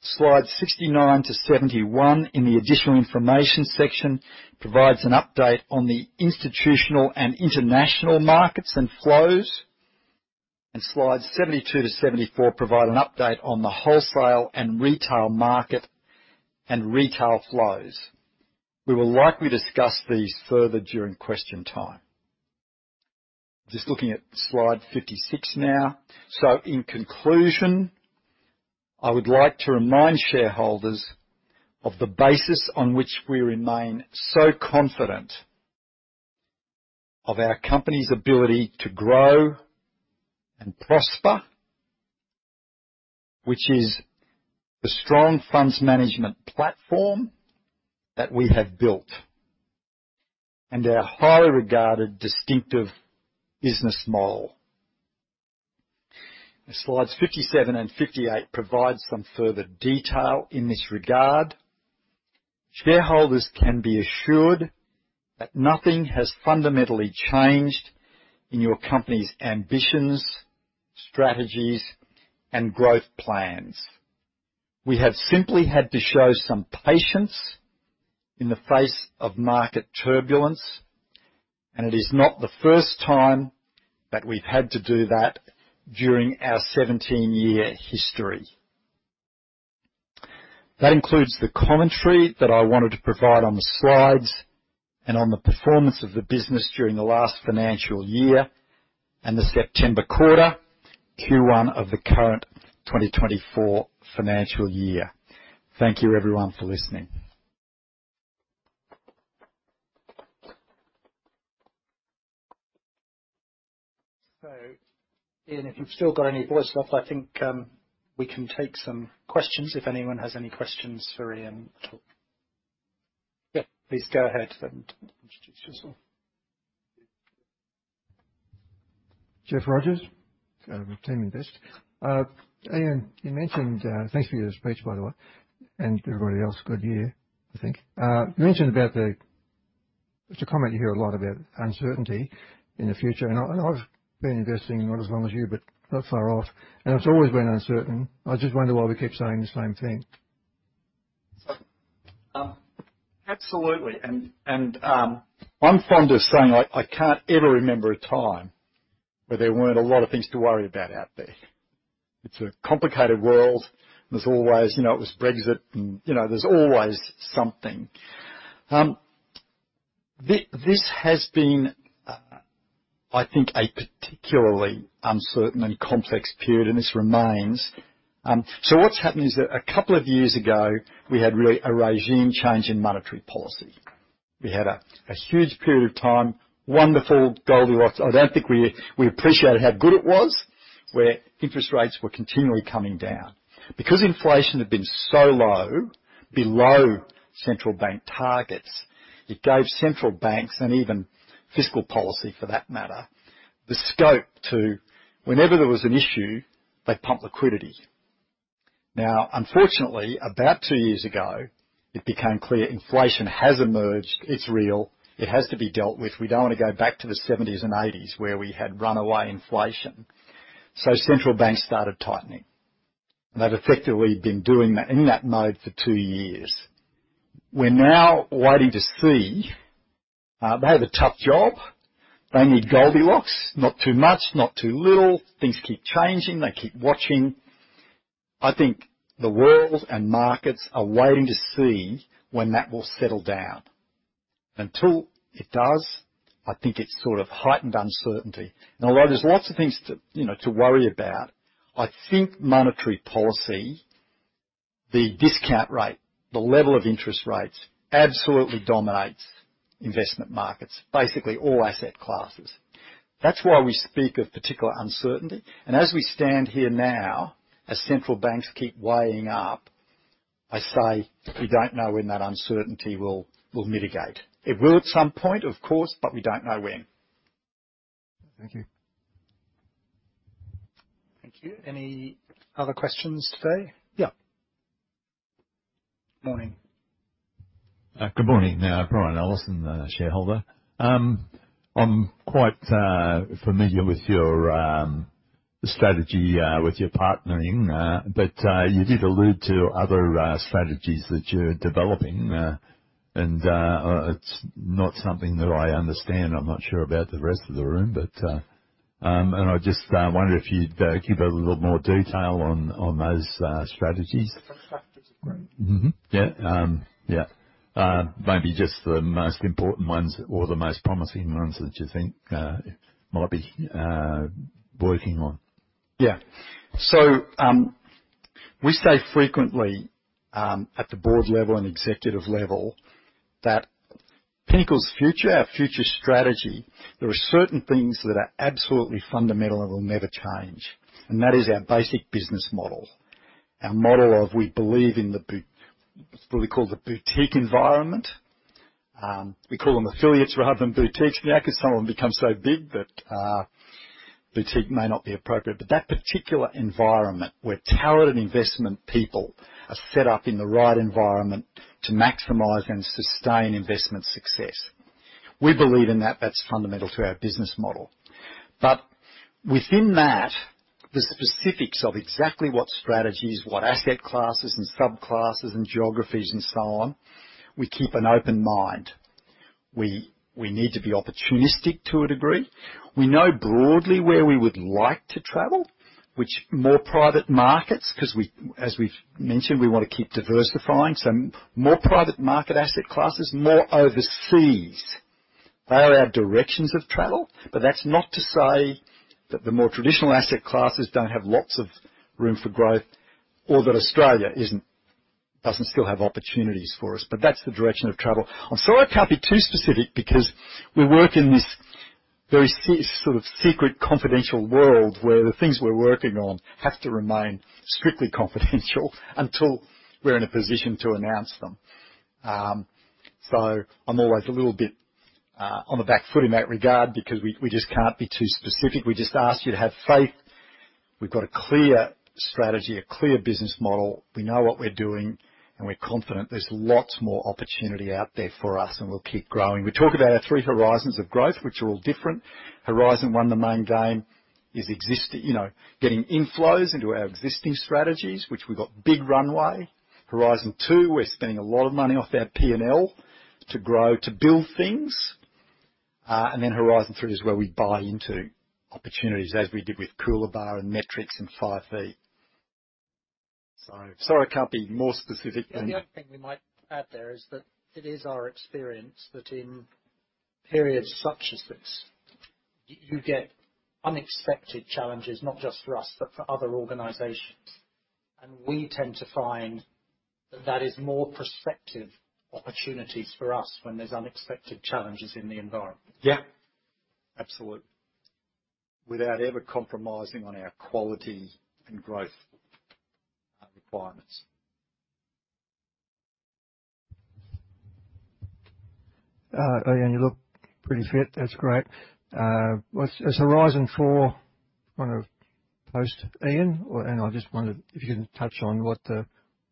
Slides 69-71 in the additional information section provides an update on the institutional and international markets and flows. Slides 72-74 provide an update on the wholesale and retail market and retail flows. We will likely discuss these further during question time. Just looking at slide 56 now. So in conclusion, I would like to remind shareholders of the basis on which we remain so confident of our company's ability to grow and prosper, which is the strong funds management platform that we have built, and our highly regarded, distinctive business model. Slides 57 and 58 provide some further detail in this regard. Shareholders can be assured that nothing has fundamentally changed in your company's ambitions, strategies, and growth plans. We have simply had to show some patience in the face of market turbulence, and it is not the first time that we've had to do that during our 17-year history. That includes the commentary that I wanted to provide on the slides and on the performance of the business during the last financial year and the September quarter, Q1 of the current 2024 financial year. Thank you, everyone, for listening. So, Ian, if you've still got any voice left, I think, we can take some questions, if anyone has any questions for Ian at all? Yeah, please go ahead and introduce yourself. Geoff Rogers from Team Invest. Ian, you mentioned... Thanks for your speech, by the way, and everybody else, good year, I think. You mentioned about the. It's a comment you hear a lot about uncertainty in the future, and I, and I've been investing, not as long as you, but not far off, and it's always been uncertain. I just wonder why we keep saying the same thing. Absolutely. I'm fond of saying, I can't ever remember a time where there weren't a lot of things to worry about out there. It's a complicated world. There's always, you know, it was Brexit, and, you know, there's always something. This has been, I think, a particularly uncertain and complex period, and this remains. So what's happened is that a couple of years ago, we had really a regime change in monetary policy. We had a huge period of time, wonderful Goldilocks. I don't think we appreciated how good it was, where interest rates were continually coming down. Because inflation had been so low, below central bank targets, it gave central banks, and even fiscal policy for that matter, the scope to, whenever there was an issue, they'd pump liquidity.... Now, unfortunately, about two years ago, it became clear inflation has emerged. It's real, it has to be dealt with. We don't want to go back to the seventies and eighties, where we had runaway inflation. So central banks started tightening, and they've effectively been doing that, in that mode for two years. We're now waiting to see, they have a tough job. They need Goldilocks: not too much, not too little. Things keep changing, they keep watching. I think the world and markets are waiting to see when that will settle down. Until it does, I think it's sort of heightened uncertainty. And although there's lots of things to, you know, to worry about, I think monetary policy, the discount rate, the level of interest rates, absolutely dominates investment markets, basically all asset classes. That's why we speak of particular uncertainty. As we stand here now, as central banks keep weighing up, I say, we don't know when that uncertainty will mitigate. It will at some point, of course, but we don't know when. Thank you. Thank you. Any other questions today? Yeah. Morning. Good morning. Now, Brian Allison, shareholder. I'm quite familiar with your strategy with your partnering, but you did allude to other strategies that you're developing, and it's not something that I understand. I'm not sure about the rest of the room, but and I just wonder if you'd give a little more detail on those strategies. strategies. Mm-hmm. Yeah, yeah. Maybe just the most important ones or the most promising ones that you think might be working on. Yeah. So, we say frequently at the board level and executive level, that Pinnacle's future, our future strategy, there are certain things that are absolutely fundamental and will never change, and that is our basic business model. Our model of we believe in what we call the boutique environment. We call them affiliates rather than boutiques now, because some of them become so big that boutique may not be appropriate. But that particular environment, where talented investment people are set up in the right environment to maximize and sustain investment success. We believe in that. That's fundamental to our business model. But within that, the specifics of exactly what strategies, what asset classes and subclasses and geographies and so on, we keep an open mind. We need to be opportunistic to a degree. We know broadly where we would like to travel, which more private markets, 'cause as we've mentioned, we want to keep diversifying. So more private market asset classes, more overseas. They are our directions of travel, but that's not to say that the more traditional asset classes don't have lots of room for growth, or that Australia isn't, doesn't still have opportunities for us, but that's the direction of travel. I'm sorry I can't be too specific, because we work in this very sort of secret, confidential world, where the things we're working on have to remain strictly confidential until we're in a position to announce them. So I'm always a little bit on the back foot in that regard, because we, we just can't be too specific. We just ask you to have faith. We've got a clear strategy, a clear business model. We know what we're doing, and we're confident there's lots more opportunity out there for us, and we'll keep growing. We talk about our three horizons of growth, which are all different. Horizon One, the main game, is existing... You know, getting inflows into our existing strategies, which we've got big runway. Horizon Two, we're spending a lot of money off our P&L to grow, to build things. And then Horizon Three is where we buy into opportunities, as we did with Coolabah and Metrics and Five V. So, sorry, I can't be more specific than- The only thing we might add there is that it is our experience that in periods such as this, you get unexpected challenges, not just for us, but for other organizations. We tend to find that that is more prospective opportunities for us when there's unexpected challenges in the environment. Yeah, absolutely. Without ever compromising on our quality and growth requirements. Ian, you look pretty fit. That's great. What's, is Horizon four kind of post Ian? Or, and I just wondered if you could touch on what the,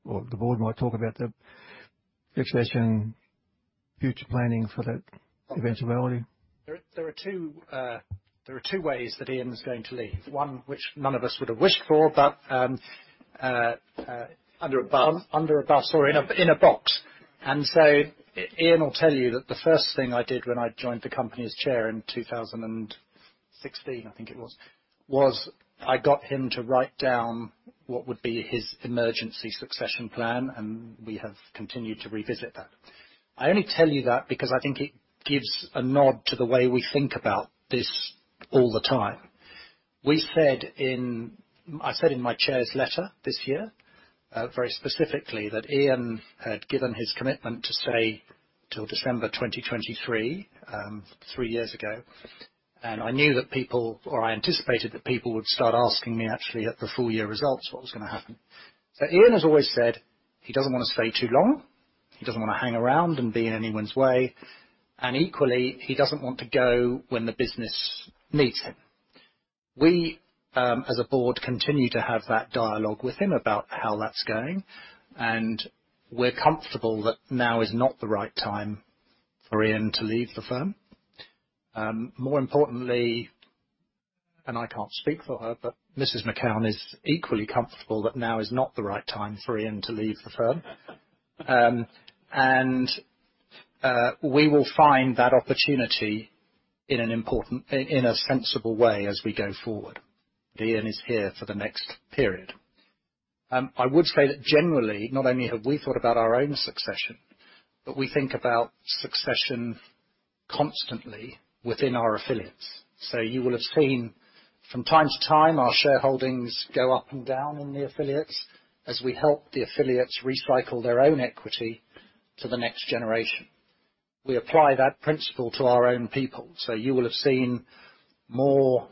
or the board might talk about the succession, future planning for that eventuality. There are two ways that Ian's going to leave. One, which none of us would have wished for, but... Under a bus. Under a bus or in a box. Ian will tell you that the first thing I did when I joined the company as chair in 2016, I think it was, was I got him to write down what would be his emergency succession plan, and we have continued to revisit that. I only tell you that because I think it gives a nod to the way we think about this all the time. I said in my Chair's letter this year, very specifically, that Ian had given his commitment to stay till December 2023, three years ago. I knew that people, or I anticipated that people, would start asking me, actually, at the full year results, what was going to happen. So Ian has always said he doesn't want to stay too long.... He doesn't want to hang around and be in anyone's way, and equally, he doesn't want to go when the business needs him. We, as a board, continue to have that dialogue with him about how that's going, and we're comfortable that now is not the right time for Ian Macoun to leave the firm. More importantly, and I can't speak for her, but Mrs. Macoun is equally comfortable that now is not the right time for Ian Macoun to leave the firm. And, we will find that opportunity in a sensible way as we go forward. Ian Macoun is here for the next period. I would say that generally, not only have we thought about our own succession, but we think about succession constantly within our affiliates. So you will have seen from time to time, our shareholdings go up and down in the affiliates as we help the affiliates recycle their own equity to the next generation. We apply that principle to our own people, so you will have seen more,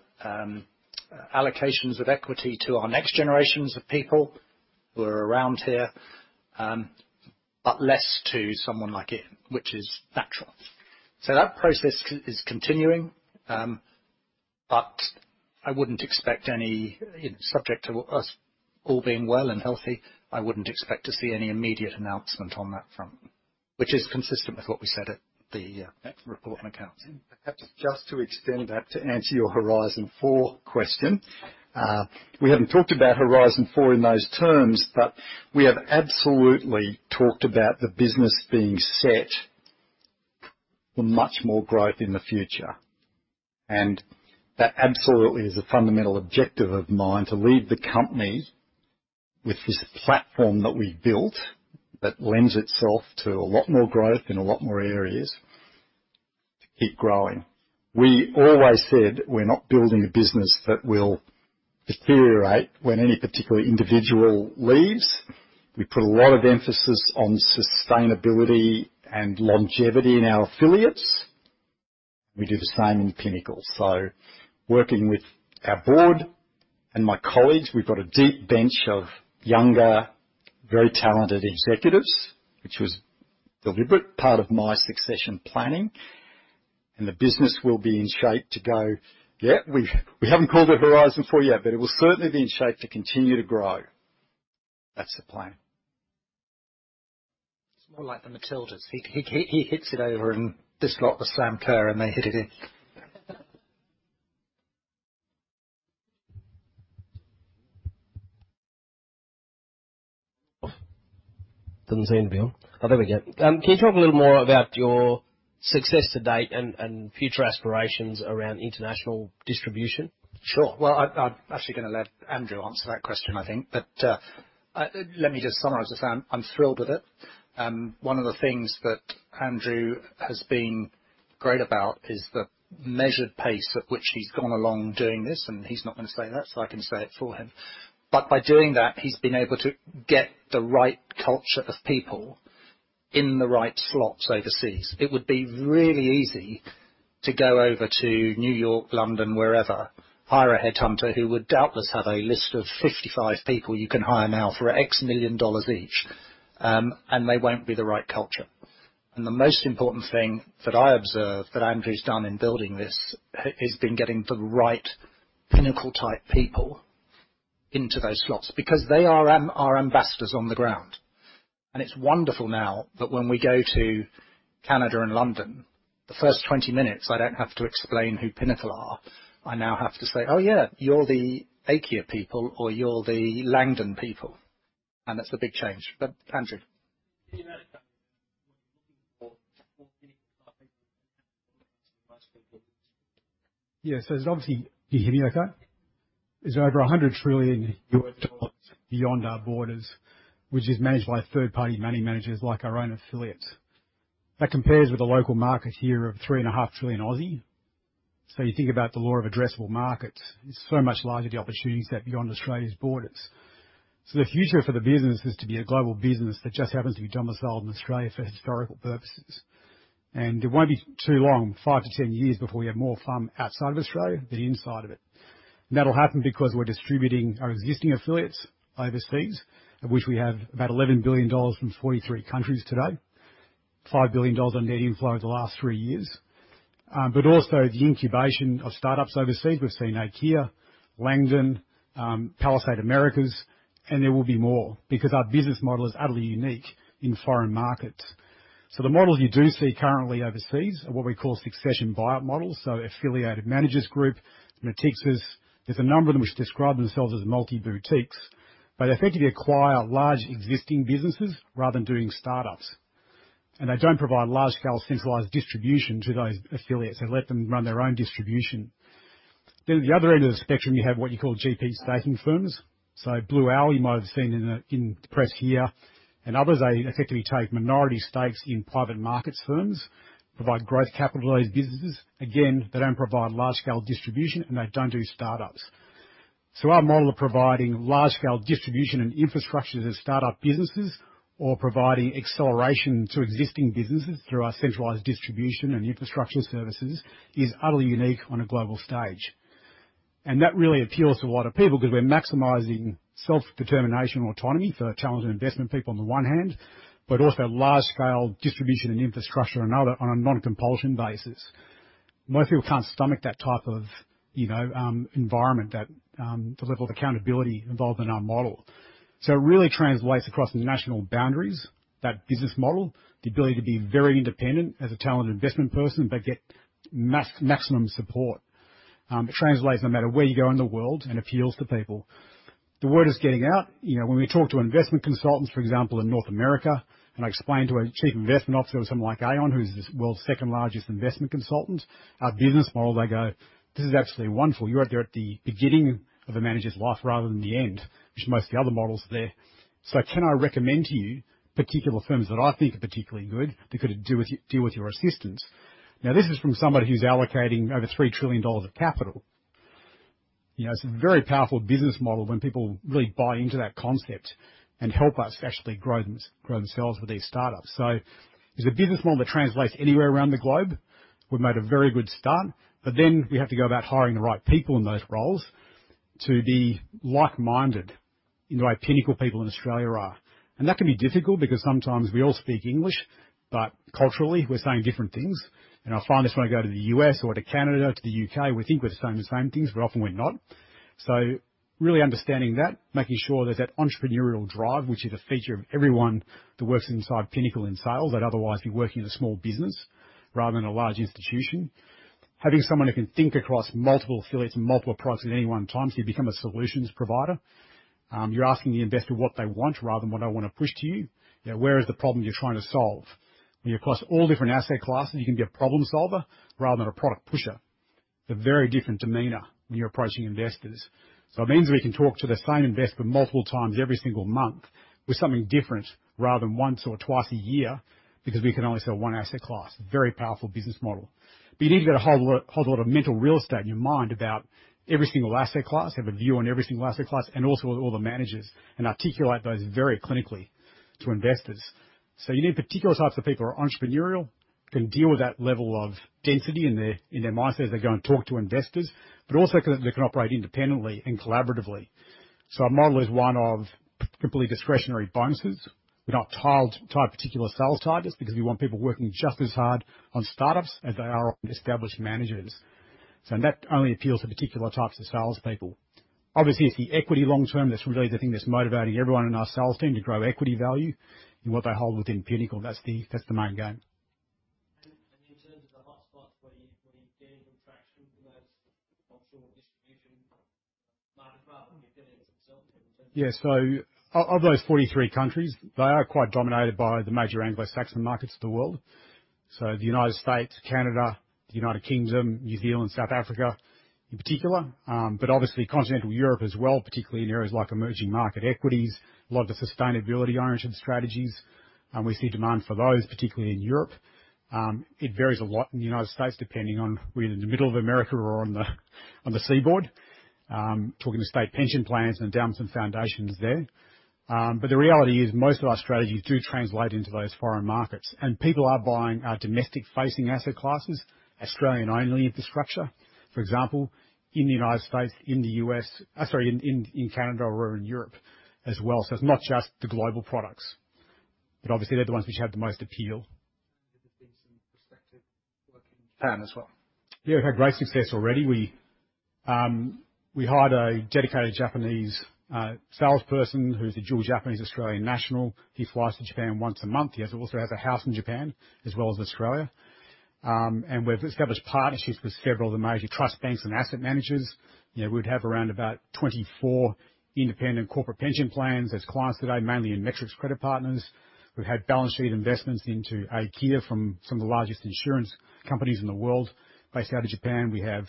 allocations of equity to our next generations of people who are around here, but less to someone like Ian, which is natural. So that process is continuing, but I wouldn't expect any, subject to us all being well and healthy, I wouldn't expect to see any immediate announcement on that front, which is consistent with what we said at the, report and accounts. Perhaps just to extend that, to answer your Horizon Four question. We haven't talked about Horizon Four in those terms, but we have absolutely talked about the business being set for much more growth in the future. That absolutely is a fundamental objective of mine, to leave the company with this platform that we've built, that lends itself to a lot more growth in a lot more areas, to keep growing. We always said we're not building a business that will deteriorate when any particular individual leaves. We put a lot of emphasis on sustainability and longevity in our affiliates. We do the same in Pinnacle. Working with our board and my colleagues, we've got a deep bench of younger, very talented executives, which was a deliberate part of my succession planning, and the business will be in shape to go. Yeah, we haven't called it Horizon Four yet, but it will certainly be in shape to continue to grow. That's the plan. It's more like the Matildas. He, he, he hits it over and just let the slam clear, and they hit it in. Doesn't seem to be on. Oh, there we go. Can you talk a little more about your success to date and, and future aspirations around international distribution? Sure. Well, I'm actually going to let Andrew answer that question, I think, but let me just summarize this. I'm thrilled with it. One of the things that Andrew has been great about is the measured pace at which he's gone along doing this, and he's not going to say that, so I can say it for him. But by doing that, he's been able to get the right culture of people in the right slots overseas. It would be really easy to go over to New York, London, wherever, hire a headhunter, who would doubtless have a list of 55 people you can hire now for $X million each, and they won't be the right culture. The most important thing that I observe, that Andrew's done in building this, has been getting the right Pinnacle-type people into those slots because they are our ambassadors on the ground. It's wonderful now that when we go to Canada and London, the first 20 minutes, I don't have to explain who Pinnacle are. I now have to say, "Oh, yeah, you're the Aikya people," or, "You're the Langdon people." That's the big change. But, Andrew. Yeah, so there's obviously... Can you hear me, okay? There's over $100 trillion beyond our borders, which is managed by third-party money managers like our own affiliates. That compares with the local market here of 3.5 trillion. So you think about the law of addressable markets, it's so much larger, the opportunities out beyond Australia's borders. So the future for the business is to be a global business that just happens to be domiciled in Australia for historical purposes. And it won't be too long, 5-10 years, before we have more FUM outside of Australia than inside of it. And that'll happen because we're distributing our existing affiliates overseas, of which we have about 11 billion dollars from 43 countries today, 5 billion dollars on net inflow in the last 3 years. But also the incubation of startups overseas. We've seen Aikya, Langdon, Palisade Americas, and there will be more, because our business model is utterly unique in foreign markets. So the models you do see currently overseas are what we call succession buyout models, so Affiliated Managers Group, Natixis. There's a number of them which describe themselves as multi-boutiques, but effectively acquire large existing businesses rather than doing startups. And they don't provide large-scale centralized distribution to those affiliates and let them run their own distribution. Then at the other end of the spectrum, you have what you call GP staking firms. So Blue Owl, you might have seen in the press here, and others, they effectively take minority stakes in private markets firms, provide growth capital to these businesses. Again, they don't provide large-scale distribution, and they don't do startups. So our model of providing large-scale distribution and infrastructure to startup businesses or providing acceleration to existing businesses through our centralized distribution and infrastructure services is utterly unique on a global stage. That really appeals to a lot of people, because we're maximizing self-determination and autonomy for our talented investment people on the one hand, but also large-scale distribution and infrastructure on another, on a non-compulsion basis. Most people can't stomach that type of, you know, environment, the level of accountability involved in our model. So it really translates across international boundaries, that business model, the ability to be very independent as a talented investment person, but get maximum support. It translates no matter where you go in the world and appeals to people. The word is getting out. You know, when we talk to investment consultants, for example, in North America, and I explain to a chief investment officer or someone like Aon, who's the world's second largest investment consultant, our business model, they go, "This is absolutely wonderful. You're out there at the beginning of a manager's life rather than the end, which most of the other models are there. So can I recommend to you particular firms that I think are particularly good, that could do with, do with your assistance?" Now, this is from somebody who's allocating over $3 trillion of capital. You know, it's a very powerful business model when people really buy into that concept and help us actually grow themselves with these startups. So it's a business model that translates anywhere around the globe. We've made a very good start, but then we have to go about hiring the right people in those roles to be like-minded in the way Pinnacle people in Australia are. And that can be difficult because sometimes we all speak English, but culturally we're saying different things. And I find this when I go to the U.S. or to Canada, to the U.K., we think we're saying the same things, but often we're not. So really understanding that, making sure there's that entrepreneurial drive, which is a feature of everyone that works inside Pinnacle in sales, they'd otherwise be working in a small business rather than a large institution. Having someone who can think across multiple affiliates and multiple products at any one time, so you become a solutions provider. You're asking the investor what they want rather than what I want to push to you. You know, where is the problem you're trying to solve? When you're across all different asset classes, you can be a problem solver rather than a product pusher. They're very different demeanor when you're approaching investors. So it means we can talk to the same investor multiple times every single month with something different, rather than once or twice a year, because we can only sell one asset class. Very powerful business model. But you need to get a whole lot, whole lot of mental real estate in your mind about every single asset class, have a view on every single asset class and also all the managers, and articulate those very clinically to investors. So you need particular types of people who are entrepreneurial, can deal with that level of density in their mindset as they go and talk to investors, but also can, they can operate independently and collaboratively. So our model is one of completely discretionary bonuses. We're not tied to particular sales targets, because we want people working just as hard on startups as they are on established managers. So that only appeals to particular types of sales people. Obviously, it's the equity long term that's really the thing that's motivating everyone in our sales team to grow equity value in what they hold within Pinnacle. That's the, that's the main game. In terms of the hotspots, where are you gaining traction in those offshore distribution markets? Rather than Pinnacle itself in terms of- Yeah, so of those 43 countries, they are quite dominated by the major Anglo-Saxon markets of the world. So the United States, Canada, the United Kingdom, New Zealand, South Africa, in particular. But obviously Continental Europe as well, particularly in areas like emerging market equities, a lot of the sustainability-oriented strategies, we see demand for those, particularly in Europe. It varies a lot in the United States, depending on whether you're in the middle of America or on the seaboard. Talking to state pension plans and endowments and foundations there. But the reality is, most of our strategies do translate into those foreign markets, and people are buying our domestic-facing asset classes, Australian only infrastructure, for example, in the United States, in the US. Sorry, in Canada or in Europe as well. It's not just the global products, but obviously they're the ones which have the most appeal. There have been some prospects working in Japan as well? Yeah, we've had great success already. We hired a dedicated Japanese salesperson who's a dual Japanese/Australian national. He flies to Japan once a month. He also has a house in Japan as well as Australia. And we've established partnerships with several of the major trust banks and asset managers. You know, we'd have around about 24 independent corporate pension plans as clients today, mainly in Metrics Credit Partners. We've had balance sheet investments into Aikya from some of the largest insurance companies in the world based out of Japan. We have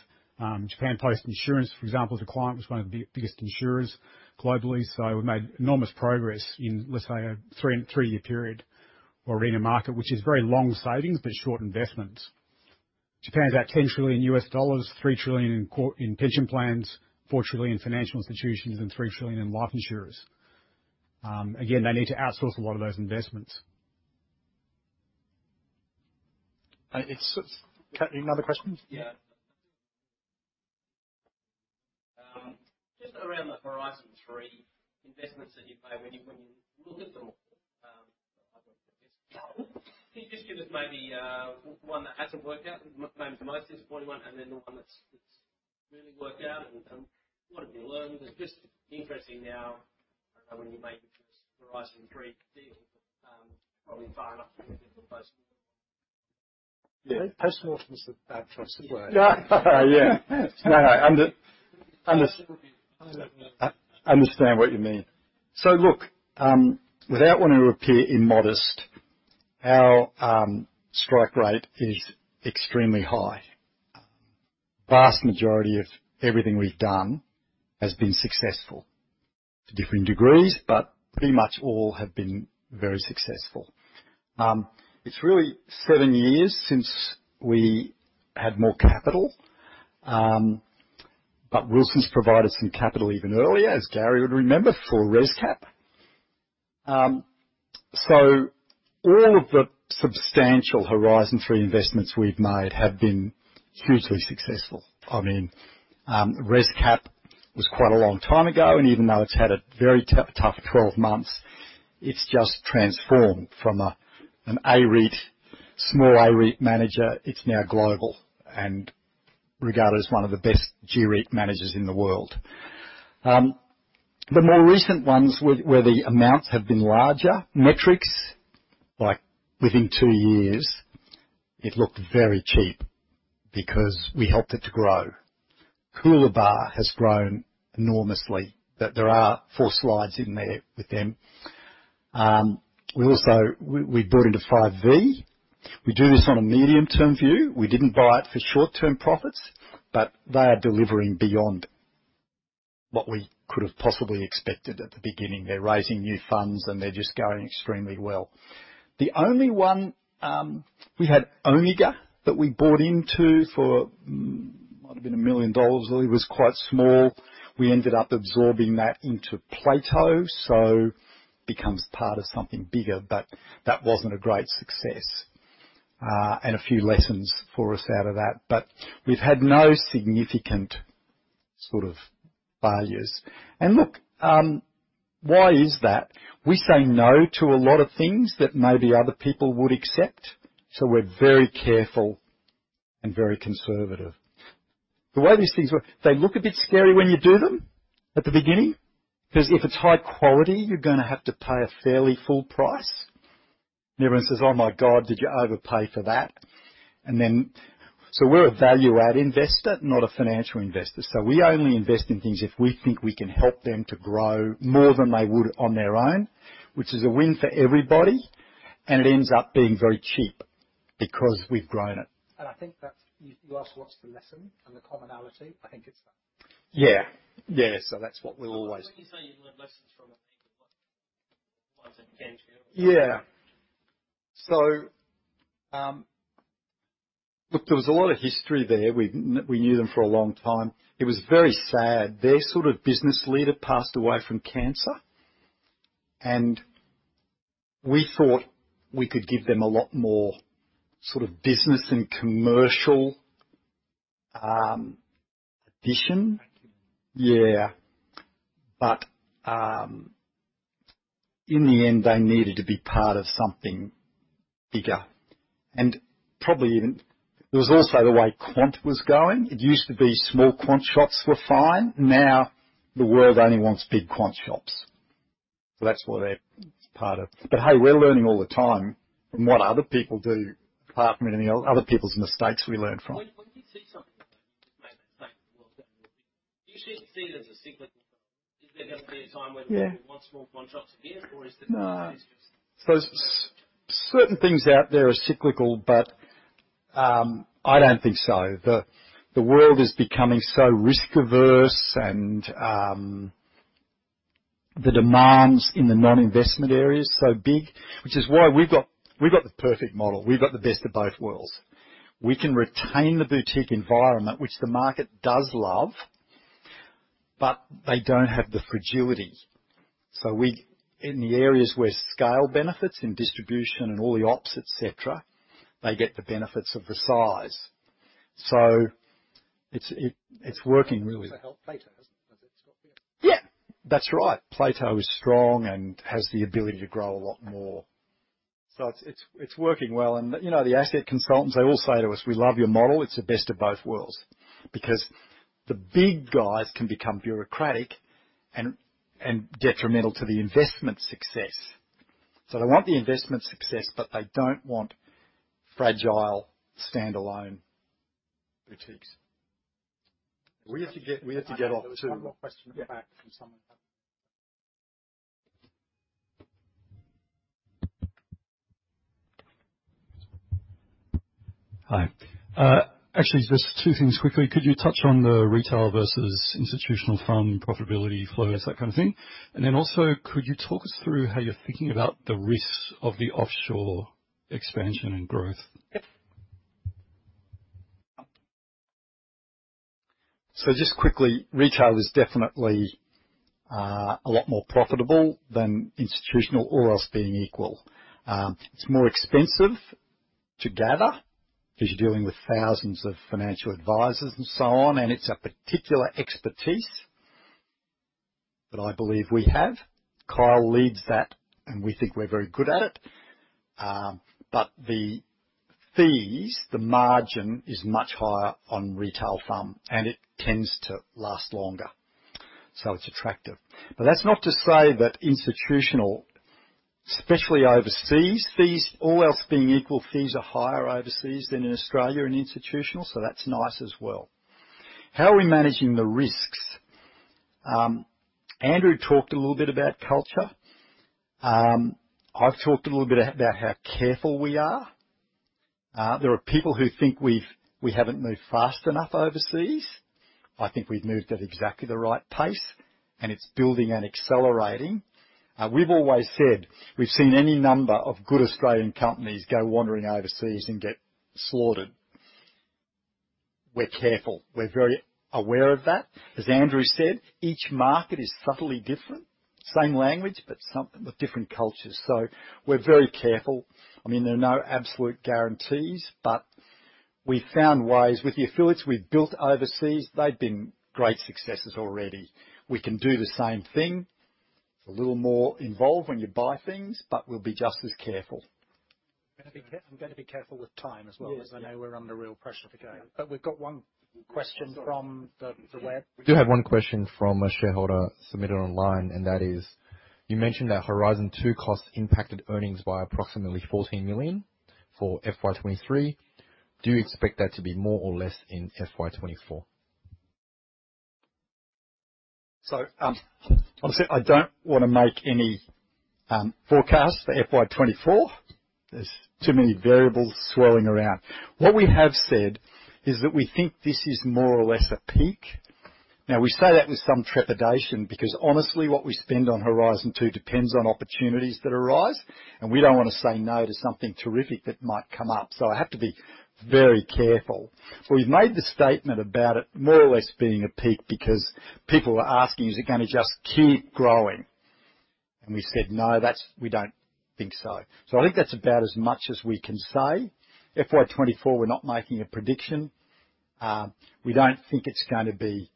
Japan Post Insurance, for example, as a client, one of the biggest insurers globally. So we've made enormous progress in, let's say, a three-year period. We're in a market which is very long savings, but short investments. Japan's about $10 trillion, $3 trillion in pension plans, $4 trillion in financial institutions, and $3 trillion in life insurers. Again, they need to outsource a lot of those investments. Any other questions? Yeah. Just around the Horizon Three investments that you've made. When you look at them, can you just give us maybe one that hasn't worked out, maybe the most disappointing one, and then the one that's really worked out? What have you learned? It's just interesting now, I don't know, when you're making this Horizon Three deal, probably far enough to do a postmortem. postmortem is a bad choice of word. Yeah. Yeah. Yes. No, no, under-... I understand what you mean. So look, without wanting to appear immodest, our strike rate is extremely high. Vast majority of everything we've done has been successful, to different degrees, but pretty much all have been very successful. It's really seven years since we had more capital, but Wilsons provided some capital even earlier, as Gary would remember, for ResCap.... So all of the substantial Horizon Three investments we've made have been hugely successful. I mean, ResCap was quite a long time ago, and even though it's had a very tough 12 months, it's just transformed from a, an A-REIT, small A-REIT manager, it's now global and regarded as one of the best G-REIT managers in the world. The more recent ones, where the amounts have been larger, Metrics, like within 2 years it looked very cheap because we helped it to grow. Coolabah has grown enormously, that there are 4 slides in there with them. We also—we, we bought into Five V. We do this on a medium-term view. We didn't buy it for short-term profits, but they are delivering beyond what we could have possibly expected at the beginning. They're raising new funds, and they're just going extremely well. The only one. We had Omega, that we bought into for, might have been 1 million dollars, it was quite small. We ended up absorbing that into Plato, so becomes part of something bigger, but that wasn't a great success. And a few lessons for us out of that, but we've had no significant sort of failures. And look, why is that? We say no to a lot of things that maybe other people would accept. So we're very careful and very conservative. The way these things work, they look a bit scary when you do them, at the beginning, because if it's high quality, you're gonna have to pay a fairly full price. And everyone says, "Oh, my God, did you overpay for that?" And then, so we're a value-add investor, not a financial investor. We only invest in things if we think we can help them to grow more than they would on their own, which is a win for everybody, and it ends up being very cheap because we've grown it. I think that's, you, you asked what's the lesson and the commonality? I think it's that. Yeah. Yeah. So that's what we'll always- When you say you learned lessons from it, like, ones that you came to? Yeah. So, look, there was a lot of history there. We, we knew them for a long time. It was very sad. Their, sort of, business leader passed away from cancer, and we thought we could give them a lot more, sort of, business and commercial addition. Acquisition. Yeah. But in the end, they needed to be part of something bigger. And probably even, there was also the way quant was going. It used to be small quant shops were fine, now the world only wants big quant shops. So that's what they're part of. But, hey, we're learning all the time from what other people do, apart from anything, other people's mistakes we learn from. When you see something like that, you just made the mistake. Well, do you see it as a cyclical? Is there going to be a time when- Yeah. we want small quant shops again, or is the- No. So certain things out there are cyclical, but, I don't think so. The world is becoming so risk-averse and, the demands in the non-investment area is so big, which is why we've got, we've got the perfect model. We've got the best of both worlds. We can retain the boutique environment, which the market does love, but they don't have the fragility. So we... In the areas where scale benefits, in distribution and all the ops, et cetera, et cetera, they get the benefits of the size. So it's, it, it's working really- To help Plato, hasn't it? Because it's got the- Yeah, that's right. Plato is strong and has the ability to grow a lot more. So it's working well. And, you know, the asset consultants, they all say to us, "We love your model. It's the best of both worlds." Because the big guys can become bureaucratic and detrimental to the investment success. So they want the investment success, but they don't want fragile, standalone boutiques. We have to get off to- One more question at the back from someone. Hi. Actually, just two things quickly. Could you touch on the retail versus institutional fund profitability flows, that kind of thing? And then also, could you talk us through how you're thinking about the risks of the offshore expansion and growth? Yep. So just quickly, retail is definitely a lot more profitable than institutional, all else being equal. It's more expensive to gather, because you're dealing with thousands of financial advisors and so on, and it's a particular expertise that I believe we have. Kyle leads that, and we think we're very good at it. But the fees, the margin, is much higher on retail FUM, and it tends to last longer, so it's attractive. But that's not to say that institutional, especially overseas, fees, all else being equal, fees are higher overseas than in Australia, in institutional, so that's nice as well. How are we managing the risks? Andrew talked a little bit about culture. I've talked a little bit about how careful we are. There are people who think we haven't moved fast enough overseas. I think we've moved at exactly the right pace, and it's building and accelerating. We've always said we've seen any number of good Australian companies go wandering overseas and get slaughtered.... We're careful. We're very aware of that. As Andrew said, each market is subtly different. Same language, but something with different cultures. So we're very careful. I mean, there are no absolute guarantees, but we've found ways. With the affiliates we've built overseas, they've been great successes already. We can do the same thing. It's a little more involved when you buy things, but we'll be just as careful. I'm going to be careful with time as well- Yes. - because I know we're under real pressure to go. But we've got one question from the web. We do have one question from a shareholder submitted online, and that is: You mentioned that Horizon Two costs impacted earnings by approximately 14 million for FY 2023. Do you expect that to be more or less in FY 2024? So, obviously, I don't want to make any forecasts for FY 2024. There's too many variables swirling around. What we have said is that we think this is more or less a peak. Now, we say that with some trepidation, because honestly, what we spend on Horizon Two depends on opportunities that arise, and we don't want to say no to something terrific that might come up. So I have to be very careful. We've made the statement about it more or less being a peak, because people are asking, "Is it going to just keep growing?" And we said, "No, that's- we don't think so." So I think that's about as much as we can say. FY 2024, we're not making a prediction. We don't think it's going to be,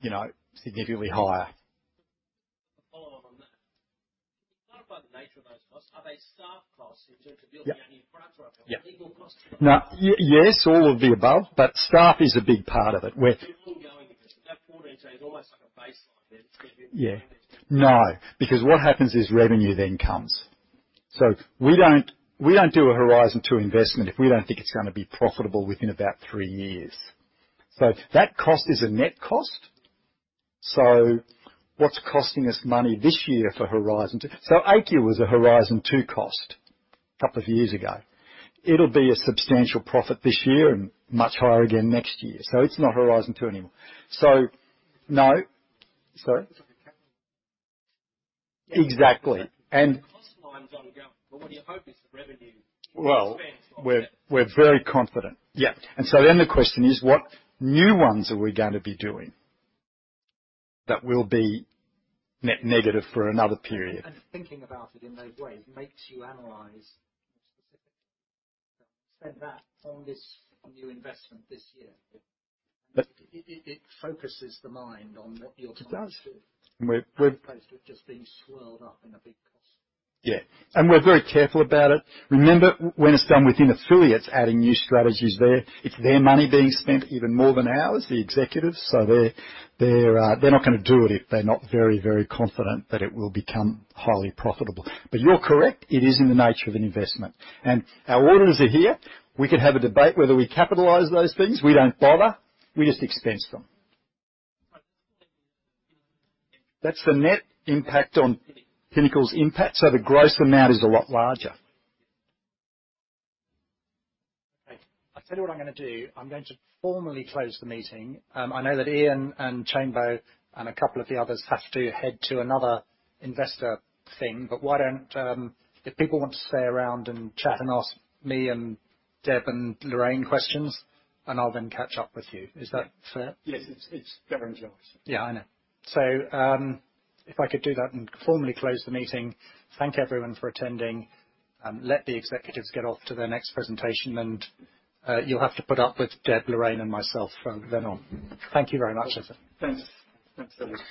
you know, significantly higher. A follow-on on that. Clarify the nature of those costs. Are they staff costs in terms of building a new product? Yeah. or legal costs? No. Yes, all of the above, but staff is a big part of it. We're- Ongoing investment. That 14 is almost like a baseline then- Yeah. -instead of revenue. No, because what happens is revenue then comes. So we don't, we don't do a Horizon Two investment if we don't think it's going to be profitable within about three years. So that cost is a net cost. So what's costing us money this year for Horizon Two? So Aikya was a Horizon Two cost a couple of years ago. It'll be a substantial profit this year and much higher again next year. So it's not Horizon Two anymore. So no... Sorry? Exactly. And- The cost line is ongoing, but what you hope is the revenue- Well- -expense, right? We're very confident. Yeah, and so then the question is: What new ones are we going to be doing that will be negative for another period? Thinking about it in those ways makes you analyze more specifically. Spend that on this new investment this year. But- It focuses the mind on what you're trying to do. It does. We're- As opposed to it just being swirled up in a big cost. Yeah, and we're very careful about it. Remember, when it's done within affiliates, adding new strategies there, it's their money being spent even more than ours, the executives. So they're not going to do it if they're not very, very confident that it will become highly profitable. But you're correct, it is in the nature of an investment. And our orders are here. We could have a debate whether we capitalize those things. We don't bother. We just expense them. That's the net impact on- Pinnacle. -Pinnacle's impact, so the gross amount is a lot larger. Okay, I'll tell you what I'm going to do. I'm going to formally close the meeting. I know that Ian and Chambers and a couple of the others have to head to another investor thing, but why don't... If people want to stay around and chat and ask me and Deb and Lorraine questions, and I'll then catch up with you. Is that fair? Yes, it's, it's very generous. Yeah, I know. So, if I could do that and formally close the meeting. Thank everyone for attending, and let the executives get off to their next presentation and, you'll have to put up with Deb, Lorraine, and myself from then on. Thank you very much. Thanks. Thanks, everybody.